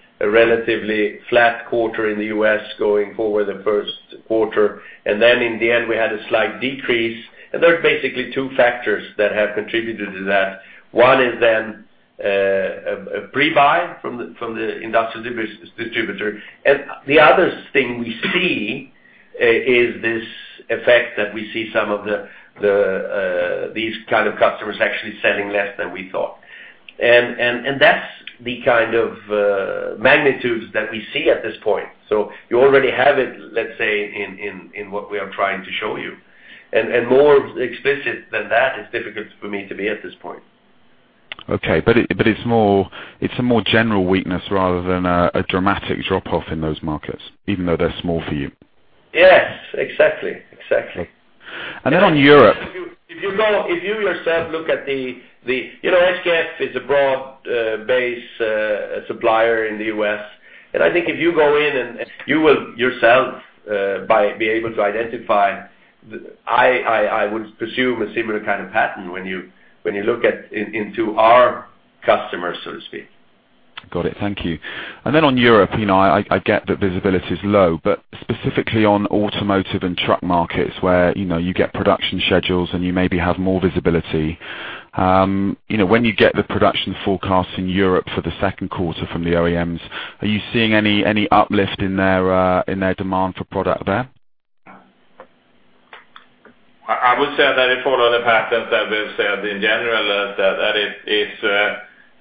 the kind of magnitudes that we see at this point. So, you already have it, let's say, in what we are trying to show you. And more explicit than that is difficult for me to be at this point. Okay, but it's more, it's a more general weakness rather than a dramatic drop-off in those markets, even though they're small for you? Yes, exactly. Exactly. And then on Europe. If you go... if you yourself look at the... you know, SKF is a broad base supplier in the US, and I think if you go in and you will yourself be able to identify. I would presume a similar kind of pattern when you look into our customers, so to speak. Got it. Thank you. And then on Europe, you know, I get that visibility is low, but specifically on automotive and truck markets, where, you know, you get production schedules, and you maybe have more visibility. You know, when you get the production forecast in Europe for the second quarter from the OEMs, are you seeing any uplift in their demand for product there? I would say that it followed the patterns that we've said in general, that it is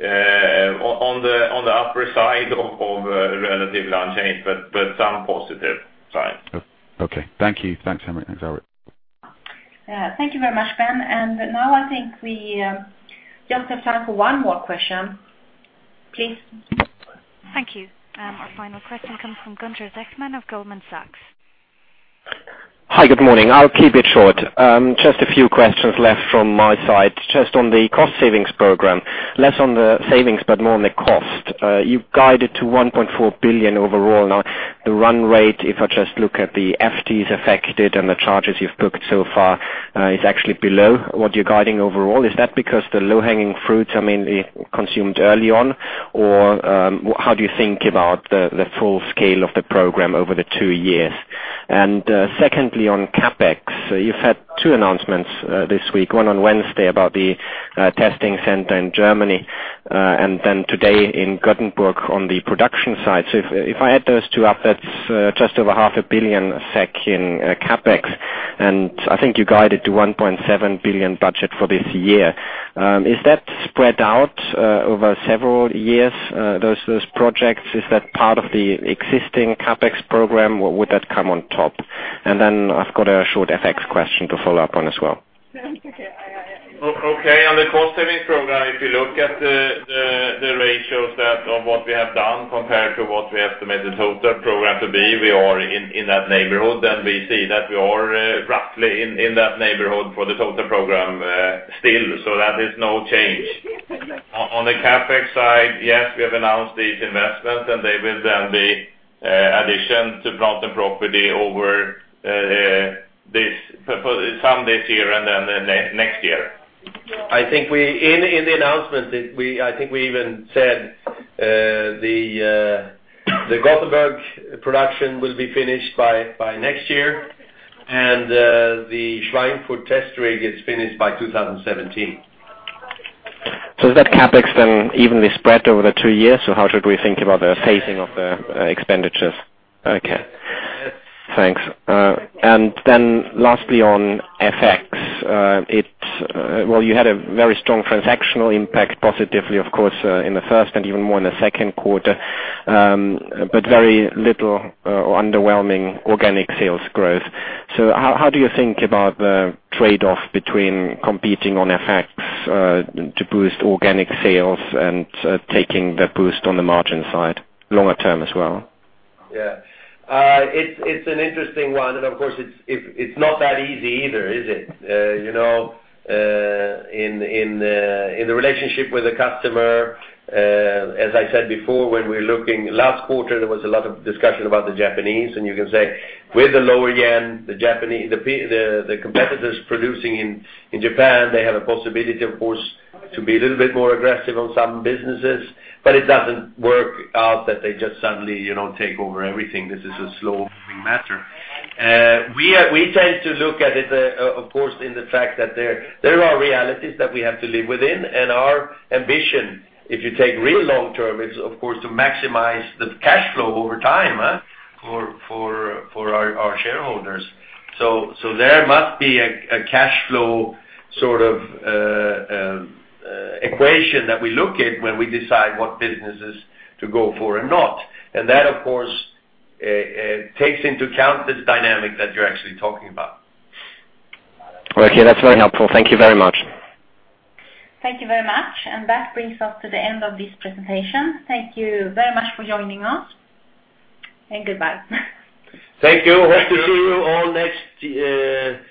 on the upper side of relative launch change, but some positive sign. Okay. Thank you. Thanks, Henrik. Thanks, Alrik. Thank you very much, Ben. And now I think we just have time for one more question. Please. Thank you. Our final question comes from Gunther Deutschmann of Goldman Sachs. Hi, good morning. I'll keep it short. Just a few questions left from my side. Just on the cost savings program, less on the savings, but more on the cost. You've guided to 1.4 billion overall. Now, the run rate, if I just look at the FTEs affected and the charges you've booked so far, is actually below what you're guiding overall. Is that because the low-hanging fruits, I mean, it consumed early on? Or how do you think about the full scale of the program over the two years? And, secondly, on CapEx, you've had two announcements, this week, one on Wednesday about the testing center in Germany, and then today in Gothenburg on the production side. So if I add those two up, that's just over 500 million SEK in CapEx, and I think you guided to a 1.7 billion budget for this year. Is that spread out over several years, those projects? Is that part of the existing CapEx program, or would that come on top? And then I've got a short FX question to follow up on as well. Okay. Okay, on the cost savings program, if you look at the ratios that of what we have done compared to what we estimated total program to be, we are in that neighborhood, and we see that we are roughly in that neighborhood for the total program still, so that is no change. On the CapEx side, yes, we have announced these investments, and they will then be addition to plant and property over this, some this year and then next year. Positive, but it's not like you're saying that we're, there's a, a completely new level. It's too early to say. Okay, thank you. The last question, I understand that you will give on the outcome of the review on automotive in at the end of second quarter, but can you share with us, at least over the last two months, the work you've done, regarding this review? How do you see the automotive business performance over the last five to 10 years? What are the issues? Maybe can you help us with Thanks. And then lastly, on FX, it's... well, you had a very strong transactional impact, positively, of course, in the first and even more in the second quarter, but very little or underwhelming organic sales growth. So, how do you think about the trade-off between competing on FX to boost organic sales and taking the boost on the margin side, longer term as well? Yeah. It's an interesting one, and of course, it's not that easy either, is it? You know, in the relationship with the customer, as I said before, when we're looking... last quarter, there was a lot of discussion about the Japanese, and you can say with the lower yen, the Japanese, the competitors producing in Japan, they have a possibility, of course, to be a little bit more aggressive on some businesses. But it doesn't work out that they just suddenly, you know, take over everything. This is a slow-moving matter. We tend to look at it, of course, in the fact that there are realities that we have to live within, and our ambition, if you take real long term, is, of course, to maximize the cash flow over time, huh? For our shareholders. So, there must be a cash flow, sort of, equation that we look at when we decide what businesses to go for and not. And that, of course, takes into account this dynamic that you're actually talking about. Okay, that's very helpful. Thank you very much. Thank you very much, and that brings us to the end of this presentation. Thank you very much for joining us, and goodbye. Thank you. Hope to see you all